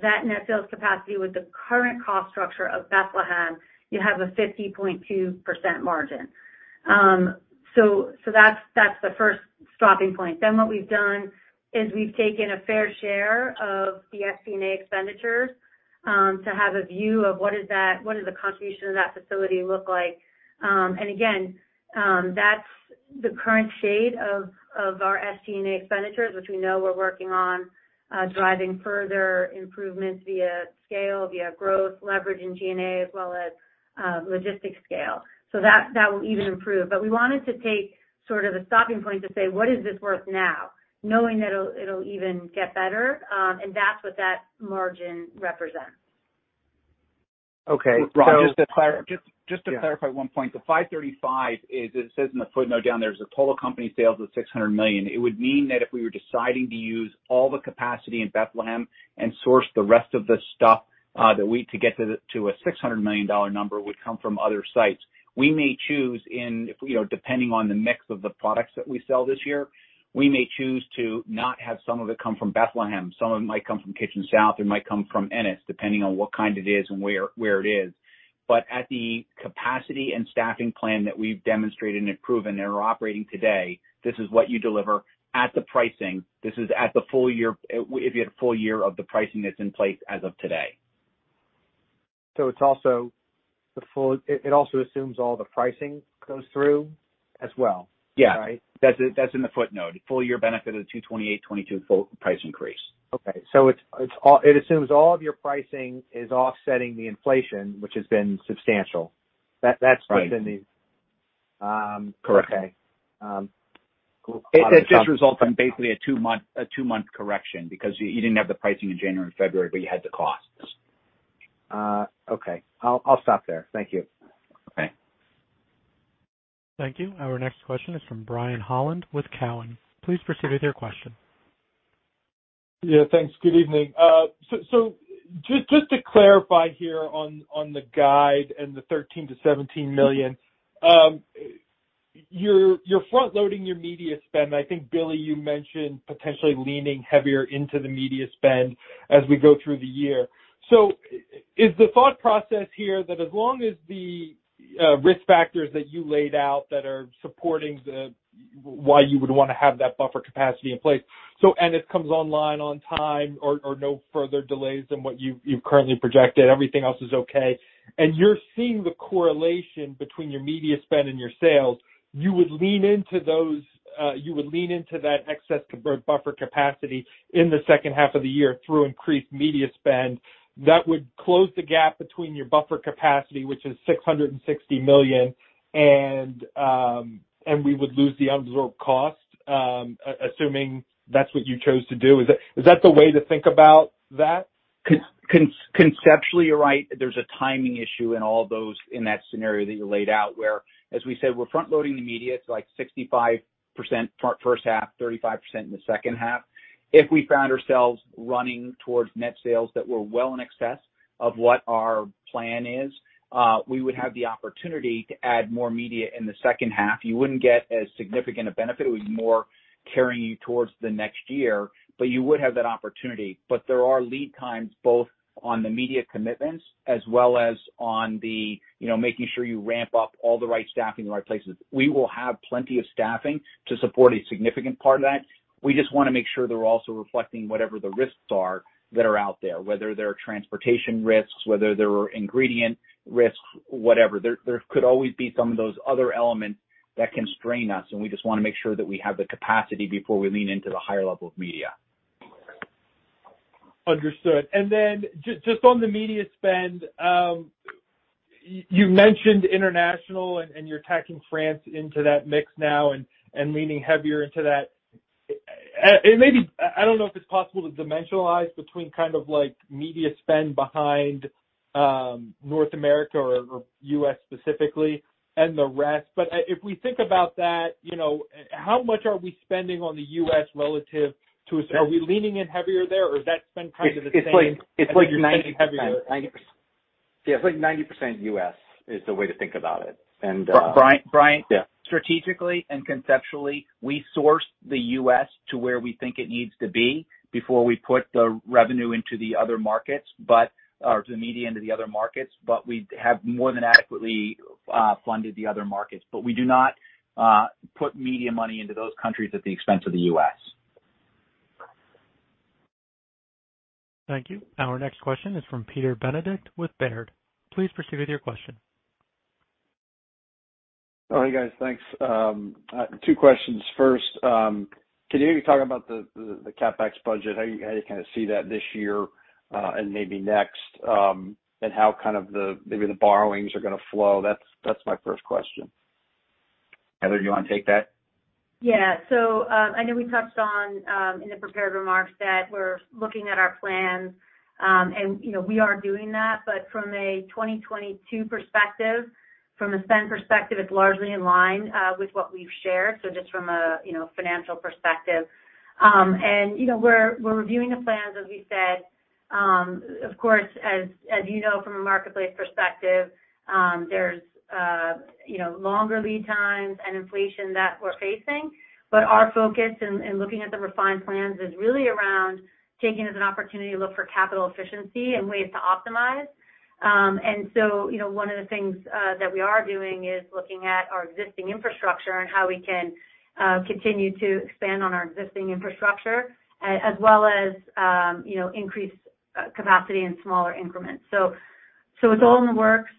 that net sales capacity with the current cost structure of Bethlehem, you have a 50.2% margin. That's the first stopping point. What we've done is we've taken a fair share of the SG&A expenditures to have a view of what the contribution of that facility looks like. Again, that's the current state of our SG&A expenditures, which we know we're working on driving further improvements via scale, via growth, leverage in G&A, as well as logistics scale. That will even improve. We wanted to take sort of a stopping point to say, "What is this worth now?" Knowing that it'll even get better, and that's what that margin represents. Okay. Rob, to clarify one point. The $535 million is, it says in the footnote down there, the total company sales of $600 million. It would mean that if we were deciding to use all the capacity in Bethlehem and source the rest of the stuff to get to a $600 million number would come from other sites. We may choose, you know, depending on the mix of the products that we sell this year, to not have some of it come from Bethlehem. Some of it might come from Kitchens South, it might come from Ennis, depending on what kind it is and where it is. At the capacity and staffing plan that we've demonstrated and proven and are operating today, this is what you deliver at the pricing. This is at the full year, if you had a full year of the pricing that's in place as of today. It also assumes all the pricing goes through as well, right? Yeah. That's in the footnote. Full year benefit of the 2022 full price increase. It assumes all of your pricing is offsetting the inflation, which has been substantial. That within the- Right. Um. Correct. Okay. It just results in basically a two-month correction because you didn't have the pricing in January and February, but you had the costs. Okay. I'll stop there. Thank you. Okay. Thank you. Our next question is from Brian Holland with Cowen. Please proceed with your question. Yeah, thanks. Good evening. Just to clarify here on the guide and the $13 million-$17 million. You're front loading your media spend. I think, Billy, you mentioned potentially leaning heavier into the media spend as we go through the year. Is the thought process here that as long as the risk factors that you laid out that are supporting the why you would want to have that buffer capacity in place, so Ennis comes online on time or no further delays than what you've currently projected, everything else is okay, and you're seeing the correlation between your media spend and your sales, you would lean into those, you would lean into that excess buffer capacity in the second half of the year through increased media spend? That would close the gap between your buffer capacity, which is $660 million, and we would lose the unabsorbed cost, assuming that's what you chose to do. Is that the way to think about that? Conceptually, you're right. There's a timing issue in all of those in that scenario that you laid out, where, as we said, we're front loading the media to, like, 65% first half, 35% in the second half. If we found ourselves running towards net sales that were well in excess of what our plan is, we would have the opportunity to add more media in the second half. You wouldn't get as significant a benefit. It would be more carrying you towards the next year, but you would have that opportunity. There are lead times both on the media commitments as well as on the, you know, making sure you ramp up all the right staffing in the right places. We will have plenty of staffing to support a significant part of that. We just wanna make sure they're also reflecting whatever the risks are that are out there, whether they're transportation risks, whether they're ingredient risks, whatever. There could always be some of those other elements that can strain us, and we just wanna make sure that we have the capacity before we lean into the higher level of media. Understood. Just on the media spend, you mentioned international and you're tacking France into that mix now and leaning heavier into that. I don't know if it's possible to dimensionalize between kind of, like, media spend behind North America or U.S. specifically and the rest, but if we think about that, you know, how much are we spending on the U.S. relative to? Are we leaning in heavier there, or is that spend kind of the same? Yeah, it's like 90% U.S. is the way to think about it. Brian? Yeah. Strategically and conceptually, we sourced the U.S. to where we think it needs to be before we put the revenue into the other markets. To the media into the other markets, but we have more than adequately funded the other markets. We do not put media money into those countries at the expense of the U.S. Thank you. Our next question is from Peter Benedict with Baird. Please proceed with your question. All right, guys. Thanks. Two questions. First, can you talk about the CapEx budget, how you kinda see that this year, and maybe next, and how kind of the, maybe the borrowings are gonna flow? That's my first question. Heather, do you wanna take that? Yeah. I know we touched on in the prepared remarks that we're looking at our plans, and you know, we are doing that. From a 2022 perspective, from a spend perspective, it's largely in line with what we've shared, so just from a you know, financial perspective. We're reviewing the plans, as we said. Of course, as you know from a marketplace perspective, there's you know, longer lead times and inflation that we're facing. Our focus in looking at the refined plans is really around taking it as an opportunity to look for capital efficiency and ways to optimize. You know, one of the things that we are doing is looking at our existing infrastructure and how we can continue to expand on our existing infrastructure as well as, you know, increase capacity in smaller increments. So it's all in the works.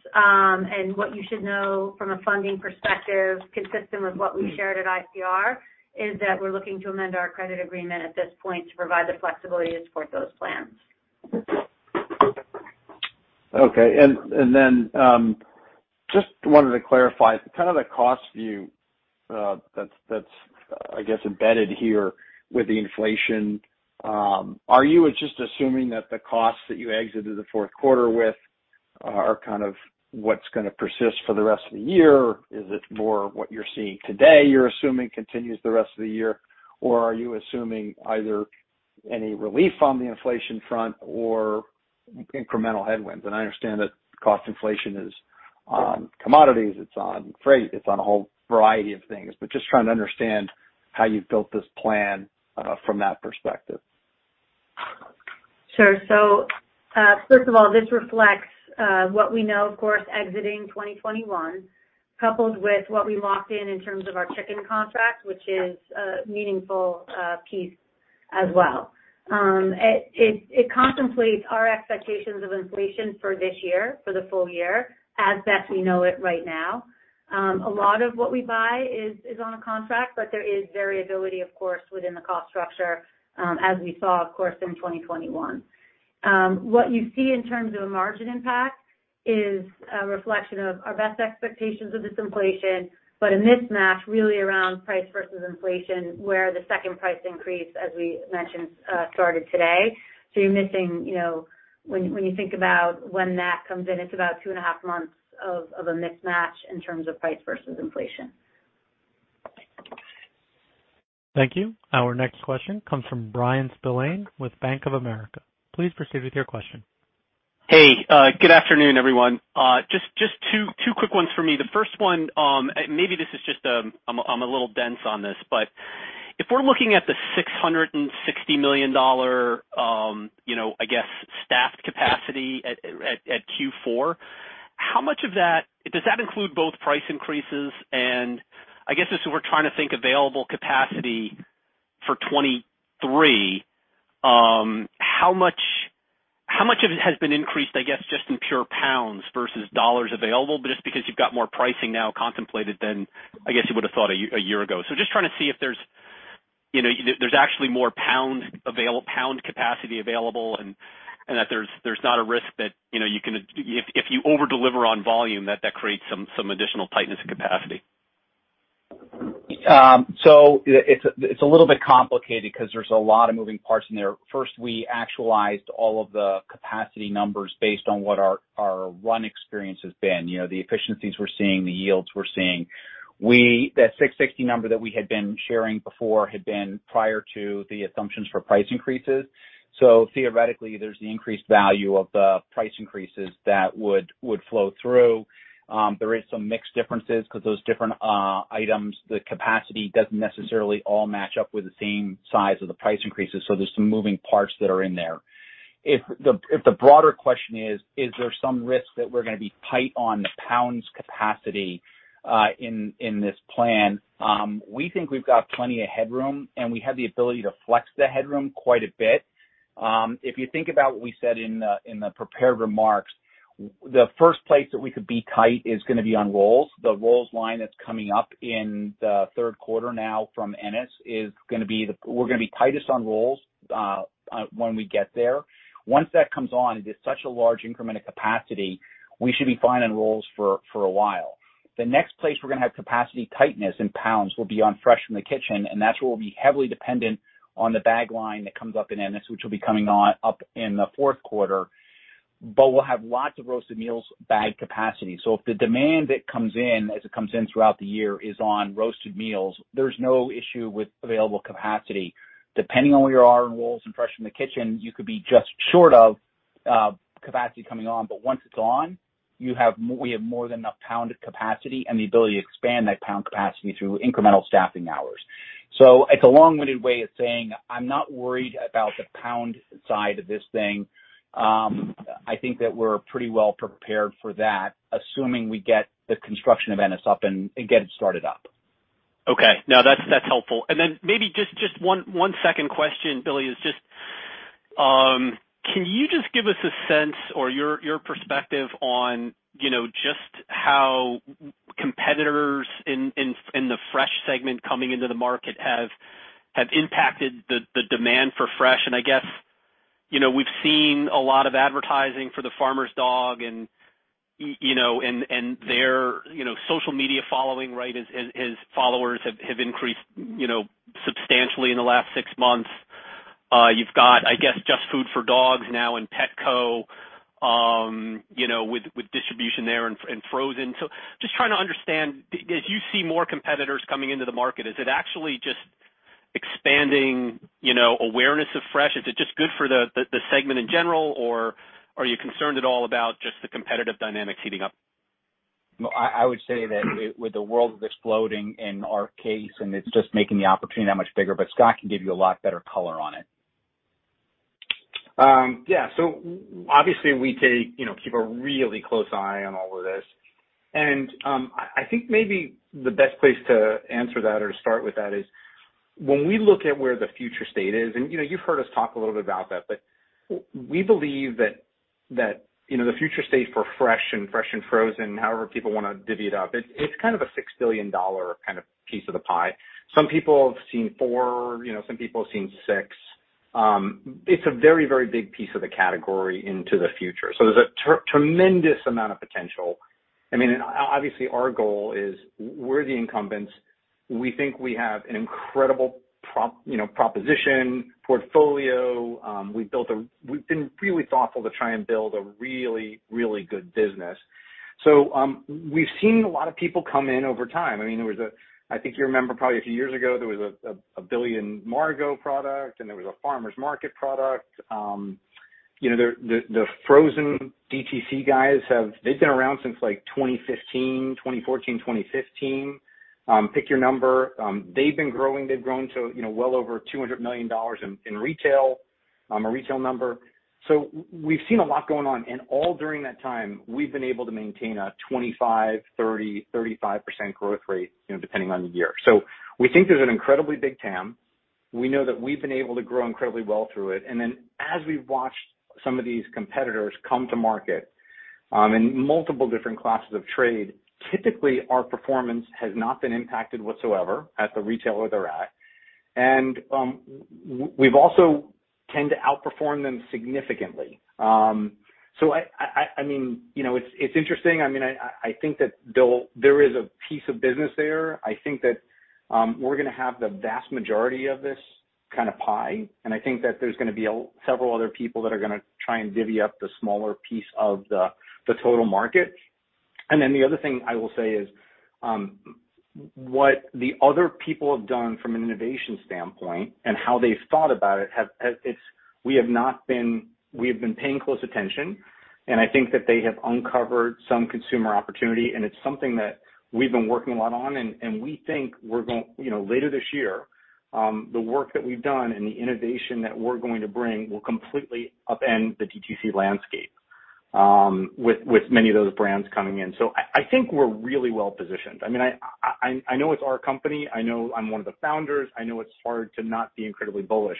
What you should know from a funding perspective, consistent with what we shared at ICR, is that we're looking to amend our credit agreement at this point to provide the flexibility to support those plans. Okay. Then just wanted to clarify kind of the cost view, that's, I guess, embedded here with the inflation. Are you just assuming that the costs that you exited the fourth quarter with are kind of what's gonna persist for the rest of the year? Is it more what you're seeing today, you're assuming continues the rest of the year? Or are you assuming either any relief on the inflation front or incremental headwinds? I understand that cost inflation is on commodities, it's on freight, it's on a whole variety of things, but just trying to understand how you've built this plan from that perspective. Sure. First of all, this reflects what we know, of course, exiting 2021, coupled with what we locked in in terms of our chicken contract, which is a meaningful piece as well. It contemplates our expectations of inflation for this year, for the full year, as best we know it right now. A lot of what we buy is on a contract, but there is variability, of course, within the cost structure, as we saw, of course, in 2021. What you see in terms of a margin impact is a reflection of our best expectations of this inflation, but a mismatch really around price versus inflation, where the second price increase, as we mentioned, started today. You're missing, you know, when you think about when that comes in, it's about two and a half months of a mismatch in terms of price versus inflation. Thank you. Our next question comes from Bryan Spillane with Bank of America. Please proceed with your question. Hey, good afternoon, everyone. Just two quick ones for me. The first one, maybe this is just, I'm a little dense on this. If we're looking at the $660 million, you know, I guess, staffed capacity at Q4, how much of that does that include both price increases and I guess as we're trying to think available capacity for 2023, how much of it has been increased, I guess, just in pure pounds versus dollars available? Just because you've got more pricing now contemplated than I guess you would've thought a year ago. Just trying to see if there's, you know, actually more pound capacity available, and that there's not a risk that, you know, you can, if you overdeliver on volume, that creates some additional tightness in capacity. It's a little bit complicated 'cause there's a lot of moving parts in there. First, we actualized all of the capacity numbers based on what our run experience has been, you know, the efficiencies we're seeing, the yields we're seeing. That $660 million number that we had been sharing before had been prior to the assumptions for price increases. Theoretically, there's the increased value of the price increases that would flow through. There is some mix differences 'cause those different items, the capacity doesn't necessarily all match up with the same size of the price increases, so there's some moving parts that are in there. If the broader question is there some risk that we're gonna be tight on the pounds capacity in this plan, we think we've got plenty of headroom, and we have the ability to flex the headroom quite a bit. If you think about what we said in the prepared remarks, the first place that we could be tight is gonna be on rolls. The rolls line that's coming up in the third quarter now from Ennis is gonna be the we're gonna be tightest on rolls when we get there. Once that comes on, it is such a large increment of capacity, we should be fine on rolls for a while. The next place we're gonna have capacity tightness in pounds will be on Fresh from The Kitchen, and that's where we'll be heavily dependent on the bag line that comes up in Ennis, which will be coming on up in the fourth quarter. We'll have lots of roasted meals bag capacity. If the demand that comes in as it comes in throughout the year is on roasted meals, there's no issue with available capacity. Depending on where you are in rolls and Fresh from The Kitchen, you could be just short of capacity coming on. Once it's on, we have more than enough pound capacity and the ability to expand that pound capacity through incremental staffing hours. It's a long-winded way of saying I'm not worried about the pound side of this thing. I think that we're pretty well prepared for that, assuming we get the construction of Ennis up and get it started up. Okay. No, that's helpful. Maybe just one second question, Billy, is just can you just give us a sense or your perspective on, you know, just how competitors in the fresh segment coming into the market have impacted the demand for fresh? I guess, you know, we've seen a lot of advertising for The Farmer's Dog and you know, and their, you know, social media following, right, is followers have increased, you know, substantially in the last six months. You've got, I guess, JustFoodForDogs now in Petco, you know, with distribution there and frozen. Just trying to understand, as you see more competitors coming into the market, is it actually just expanding, you know, awareness of fresh? Is it just good for the segment in general, or are you concerned at all about just the competitive dynamics heating up? No, I would say that with the world exploding in our case, and it's just making the opportunity that much bigger, but Scott can give you a lot better color on it. Yeah. Obviously we take you know, keep a really close eye on all of this. I think maybe the best place to answer that or to start with that is when we look at where the future state is, and you know, you've heard us talk a little bit about that, but we believe that you know, the future state for fresh and frozen, however people wanna divvy it up, it's kind of a $6 billion kind of piece of the pie. Some people have seen $4 billion, you know, some people have seen $6 billion. It's a very very big piece of the category into the future. There's a tremendous amount of potential. I mean, obviously our goal is we're the incumbents. We think we have an incredible proposition, portfolio. We've built a We've been really thoughtful to try and build a really, really good business. We've seen a lot of people come in over time. I mean, I think you remember probably a few years ago there was a billion Merrick product and there was a Farmer's Market product. You know, the frozen DTC guys have been around since like 2015, 2014, 2015, pick your number. They've been growing. They've grown to, you know, well over $200 million in retail, a retail number. We've seen a lot going on, and all during that time, we've been able to maintain a 25%, 30%, 35% growth rate, you know, depending on the year. We think there's an incredibly big TAM. We know that we've been able to grow incredibly well through it. As we've watched some of these competitors come to market in multiple different classes of trade, typically our performance has not been impacted whatsoever at the retailer they're at. We've also tend to outperform them significantly. I mean, you know, it's interesting. I mean, I think that they'll there is a piece of business there. I think that we're gonna have the vast majority of this kind of pie, and I think that there's gonna be several other people that are gonna try and divvy up the smaller piece of the total market. The other thing I will say is what the other people have done from an innovation standpoint and how they've thought about it has it's. We have been paying close attention, and I think that they have uncovered some consumer opportunity, and it's something that we've been working a lot on and we think we're going you know, later this year, the work that we've done and the innovation that we're going to bring will completely upend the DTC landscape, with many of those brands coming in. I think we're really well-positioned. I mean, I know it's our company. I know I'm one of the founders. I know it's hard to not be incredibly bullish.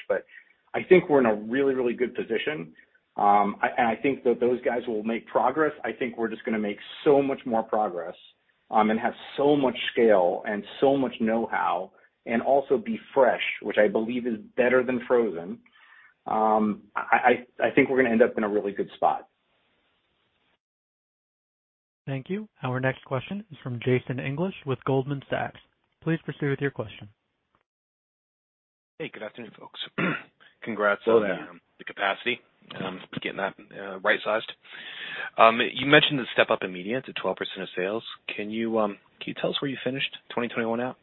I think we're in a really, really good position. I think that those guys will make progress. I think we're just gonna make so much more progress, and have so much scale and so much know-how and also be fresh, which I believe is better than frozen. I think we're gonna end up in a really good spot. Thank you. Our next question is from Jason English with Goldman Sachs. Please proceed with your question. Hey, good afternoon, folks. Congrats on the capacity getting that right-sized. You mentioned the step-up in media to 12% of sales. Can you tell us where you finished 2021 out?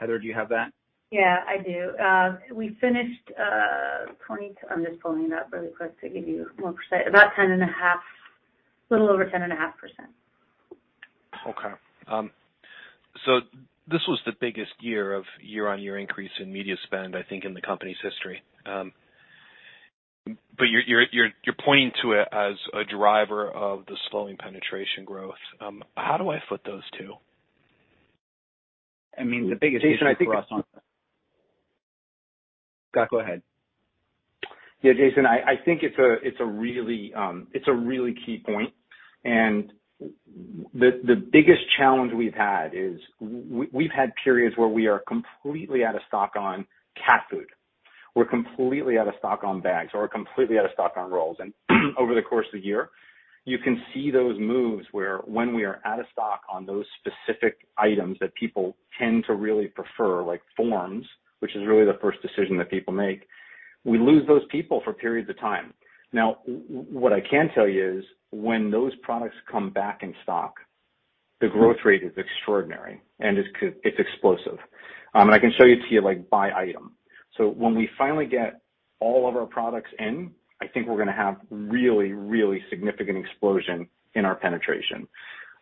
Heather, do you have that? Yeah, I do. We finished. I'm just pulling it up really quick to give you more precise. About 10.5%, a little over 10.5%. Okay. So this was the biggest year of year-on-year increase in media spend, I think, in the company's history. You're pointing to it as a driver of the slowing penetration growth. How do I flip those two? I mean, the biggest issue for us on Jason, I think. Scott, go ahead. Yeah, Jason, I think it's a really key point. The biggest challenge we've had is we've had periods where we are completely out of stock on cat food. We're completely out of stock on bags or completely out of stock on rolls. Over the course of the year, you can see those moves where when we are out of stock on those specific items that people tend to really prefer, like forms, which is really the first decision that people make, we lose those people for periods of time. Now, what I can tell you is when those products come back in stock, the growth rate is extraordinary and it's explosive. I can show it to you like by item. When we finally get all of our products in, I think we're gonna have really, really significant explosion in our penetration.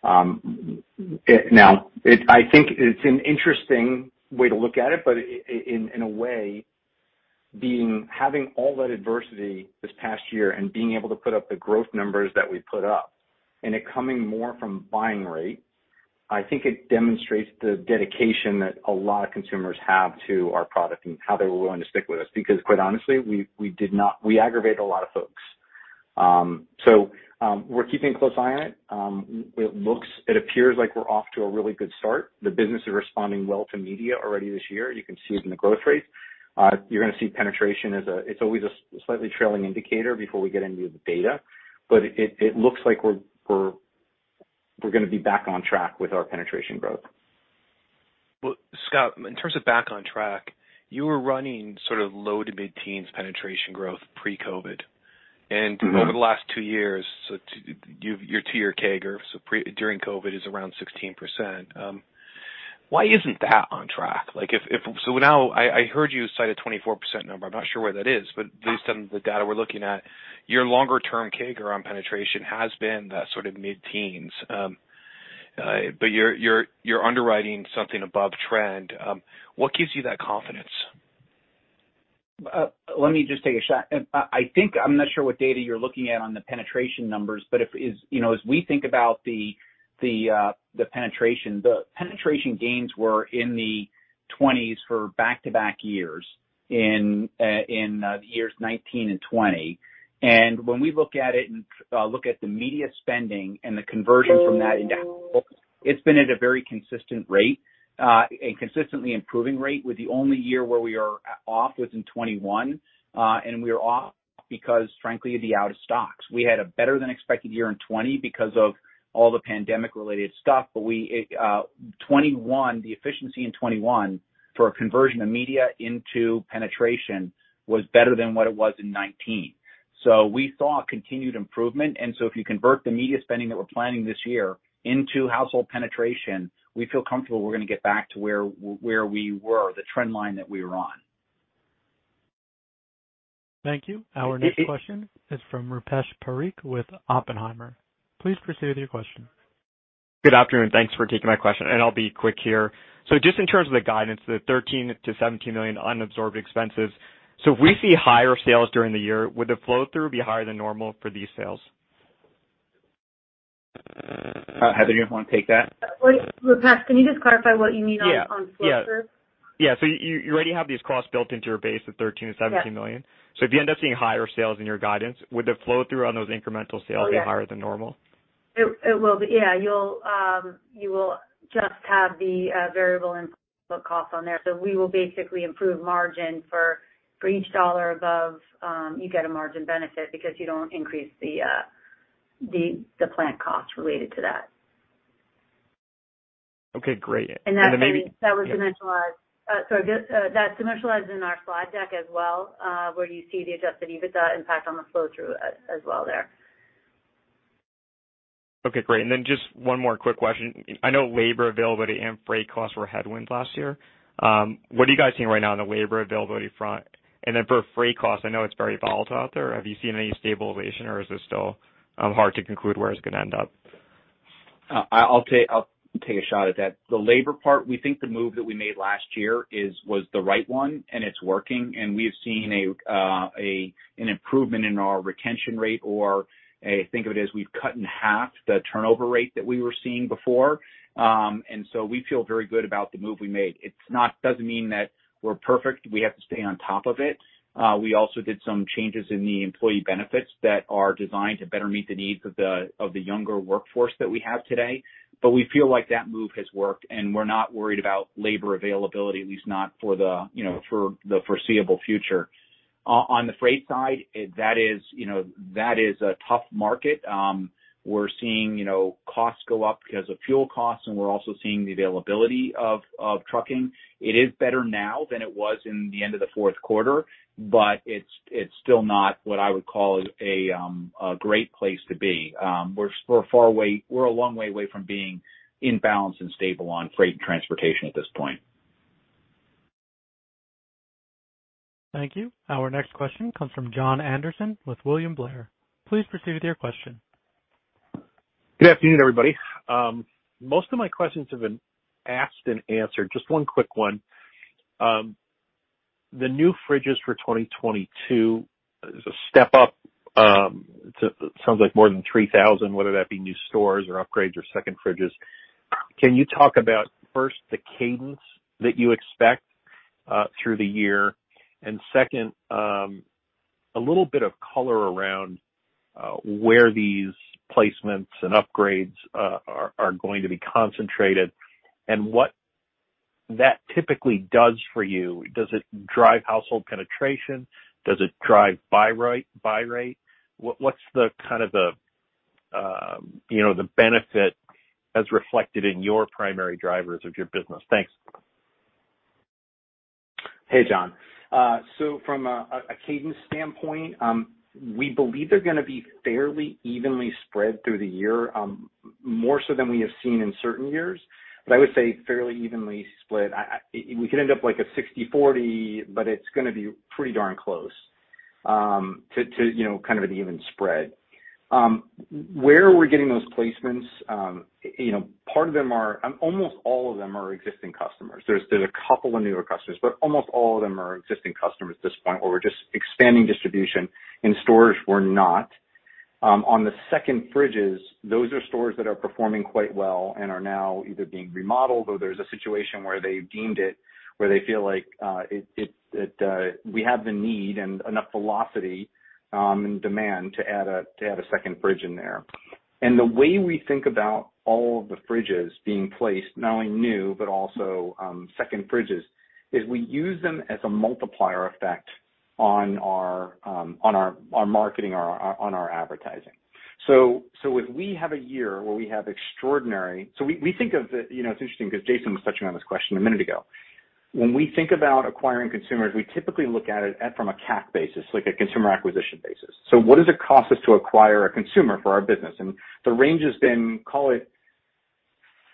Now, I think it's an interesting way to look at it, but in a way, having all that adversity this past year and being able to put up the growth numbers that we put up and it coming more from buying rate, I think it demonstrates the dedication that a lot of consumers have to our product and how they were willing to stick with us because quite honestly, we aggravated a lot of folks. We're keeping a close eye on it. It appears like we're off to a really good start. The business is responding well to media already this year. You can see it in the growth rates. You're gonna see penetration. It's always a slightly trailing indicator before we get any of the data. It looks like we're gonna be back on track with our penetration growth. Well, Scott, in terms of back on track, you were running sort of 10%-15% penetration growth pre-COVID. Mm-hmm. Over the last two years, to give your two-year CAGR, during COVID is around 16%. Why isn't that on track? Like, if I heard you cite a 24% number. I'm not sure where that is, but based on the data we're looking at, your longer term CAGR on penetration has been that sort of mid-teens. But you're underwriting something above trend. What gives you that confidence? Let me just take a shot. I think I'm not sure what data you're looking at on the penetration numbers, but you know, as we think about the penetration gains were in the 2020s for back-to-back years in the years 2019 and 2020. When we look at it and look at the media spending and the conversion from that into households, it's been at a very consistent rate, a consistently improving rate, with the only year where we are off was in 2021. We were off because frankly, the out of stocks. We had a better than expected year in 2020 because of all the pandemic-related stuff. We, 2021, the efficiency in 2021 for a conversion of media into penetration was better than what it was in 2019. We saw continued improvement. If you convert the media spending that we're planning this year into household penetration, we feel comfortable we're gonna get back to where we were, the trend line that we were on. Thank you. It, it- Our next question is from Rupesh Parikh with Oppenheimer. Please proceed with your question. Good afternoon. Thanks for taking my question, and I'll be quick here. Just in terms of the guidance, the $13 million-$17 million unabsorbed expenses, so if we see higher sales during the year, would the flow-through be higher than normal for these sales? Heather, do you wanna take that? Rupesh, can you just clarify what you mean on flow-through? Yeah. You already have these costs built into your base of $13 million and $17 million. Yeah. If you end up seeing higher sales in your guidance, would the flow-through on those incremental sales? Oh, yeah. be higher than normal? It will be. Yeah. You will just have the variable input costs on there. We will basically improve margin for each dollar above. You get a margin benefit because you don't increase the plant costs related to that. Okay, great. That's, I mean, that was commercialized. This that's commercialized in our slide deck as well, where you see the adjusted EBITDA impact on the flow-through as well there. Okay, great. Just one more quick question. I know labor availability and freight costs were headwinds last year. What are you guys seeing right now on the labor availability front? For freight costs, I know it's very volatile out there. Have you seen any stabilization or is this still hard to conclude where it's gonna end up? I'll take a shot at that. The labor part, we think the move that we made last year was the right one and it's working, and we've seen an improvement in our retention rate or, think of it as, we've cut in half the turnover rate that we were seeing before. We feel very good about the move we made. Doesn't mean that we're perfect. We have to stay on top of it. We also did some changes in the employee benefits that are designed to better meet the needs of the younger workforce that we have today. We feel like that move has worked, and we're not worried about labor availability, at least not for the foreseeable future. On the freight side, that is, you know, that is a tough market. We're seeing, you know, costs go up because of fuel costs, and we're also seeing the availability of trucking. It is better now than it was in the end of the fourth quarter, but it's still not what I would call a great place to be. We're far away. We're a long way away from being in balance and stable on freight and transportation at this point. Thank you. Our next question comes from Jon Andersen with William Blair. Please proceed with your question. Good afternoon, everybody. Most of my questions have been asked and answered. Just one quick one. The new fridges for 2022 is a step up. It sounds like more than 3,000, whether that be new stores or upgrades or second fridges. Can you talk about first the cadence that you expect through the year? Second, a little bit of color around where these placements and upgrades are going to be concentrated and what that typically does for you. Does it drive household penetration? Does it drive buy rate? What's the kind of the, you know, the benefit as reflected in your primary drivers of your business? Thanks. Hey, Jon. From a cadence standpoint, we believe they're gonna be fairly evenly spread through the year. More so than we have seen in certain years. I would say fairly evenly split. We could end up like a 60/40, but it's gonna be pretty darn close to you know kind of an even spread. Where are we getting those placements? You know, part of them are almost all of them are existing customers. There's a couple of newer customers, but almost all of them are existing customers at this point where we're just expanding distribution in stores we're not. On the second fridges, those are stores that are performing quite well and are now either being remodeled or there's a situation where they've deemed it, where they feel like it we have the need and enough velocity and demand to add a second fridge in there. The way we think about all of the fridges being placed, not only new, but also second fridges, is we use them as a multiplier effect on our marketing, on our advertising. So if we have a year where we have extraordinary. We think of the, you know, it's interesting 'cause Jason was touching on this question a minute ago. When we think about acquiring consumers, we typically look at it from a CAC basis, like a consumer acquisition basis. So what does it cost us to acquire a consumer for our business? The range has been, call it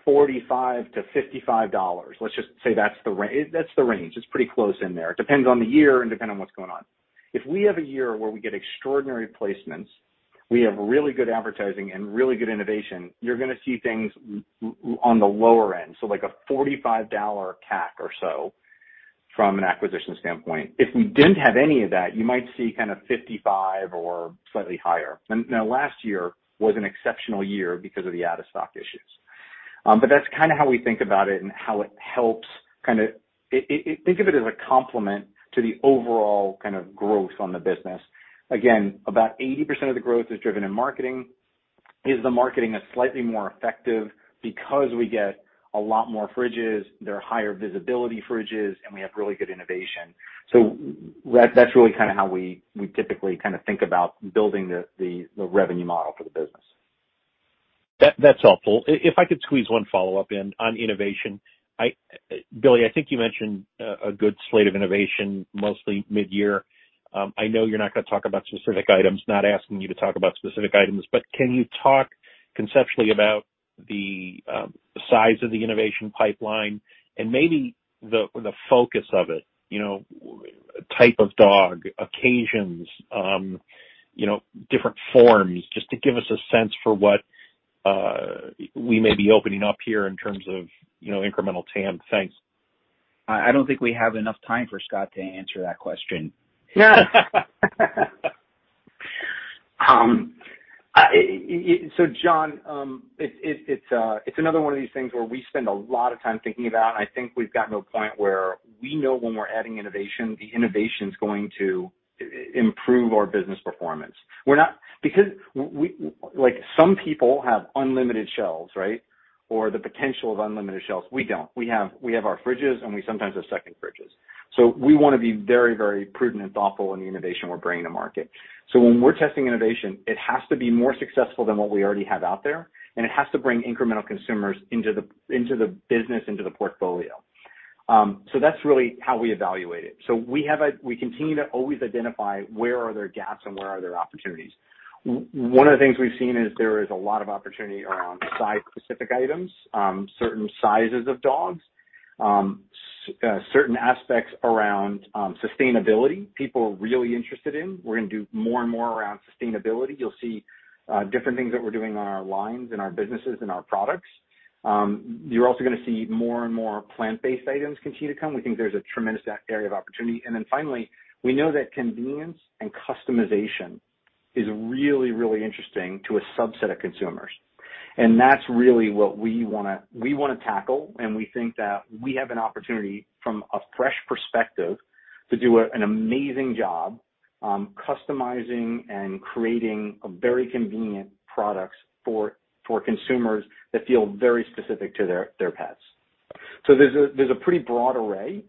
$45-$55. Let's just say that's the range. It's pretty close in there. Depends on the year and on what's going on. If we have a year where we get extraordinary placements, we have really good advertising and really good innovation, you're gonna see things on the lower end, so like a $45 CAC or so from an acquisition standpoint. If we didn't have any of that, you might see kind of $55 or slightly higher. Now last year was an exceptional year because of the out-of-stock issues. But that's kinda how we think about it and how it helps kinda think of it as a complement to the overall kind of growth on the business. Again, about 80% of the growth is driven in marketing. Is the marketing slightly more effective because we get a lot more fridges, they're higher visibility fridges, and we have really good innovation. That's really kinda how we typically kinda think about building the revenue model for the business. That, that's helpful. If I could squeeze one follow-up in on innovation. Billy, I think you mentioned a good slate of innovation mostly midyear. I know you're not gonna talk about specific items, not asking you to talk about specific items. But can you talk conceptually about the size of the innovation pipeline and maybe the focus of it? You know, type of dog, occasions, you know, different forms, just to give us a sense for what we may be opening up here in terms of, you know, incremental TAM. Thanks. I don't think we have enough time for Scott to answer that question. So John, it's another one of these things where we spend a lot of time thinking about, and I think we've gotten to a point where we know when we're adding innovation, the innovation's going to improve our business performance. We're not. Because we. Like, some people have unlimited shelves, right? Or the potential of unlimited shelves. We don't. We have our fridges, and we sometimes have second fridges. So we wanna be very, very prudent and thoughtful in the innovation we're bringing to market. So when we're testing innovation, it has to be more successful than what we already have out there, and it has to bring incremental consumers into the business, into the portfolio. So that's really how we evaluate it. We continue to always identify where there are gaps and where there are opportunities. One of the things we've seen is there is a lot of opportunity around size-specific items, certain sizes of dogs, certain aspects around sustainability. People are really interested in. We're gonna do more and more around sustainability. You'll see different things that we're doing on our lines in our businesses and our products. You're also gonna see more and more plant-based items continue to come. We think there's a tremendous area of opportunity. Finally, we know that convenience and customization is really, really interesting to a subset of consumers. That's really what we wanna tackle, and we think that we have an opportunity from a fresh perspective to do an amazing job customizing and creating very convenient products for consumers that feel very specific to their pets. There's a pretty broad array.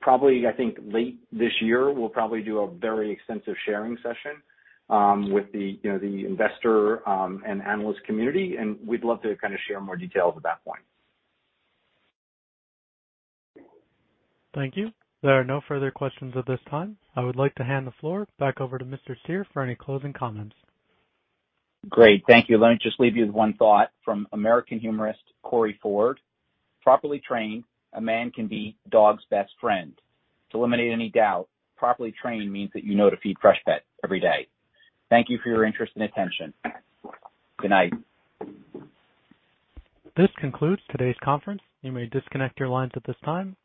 Probably I think late this year we'll probably do a very extensive sharing session with the investor and analyst community, you know, and we'd love to kinda share more details at that point. Thank you. There are no further questions at this time. I would like to hand the floor back over to Mr. Cyr for any closing comments. Great. Thank you. Let me just leave you with one thought from American humorist Corey Ford. "Properly trained, a man can be dog's best friend." To eliminate any doubt, properly trained means that you know to feed Freshpet every day. Thank you for your interest and attention. Good night. This concludes today's conference. You may disconnect your lines at this time.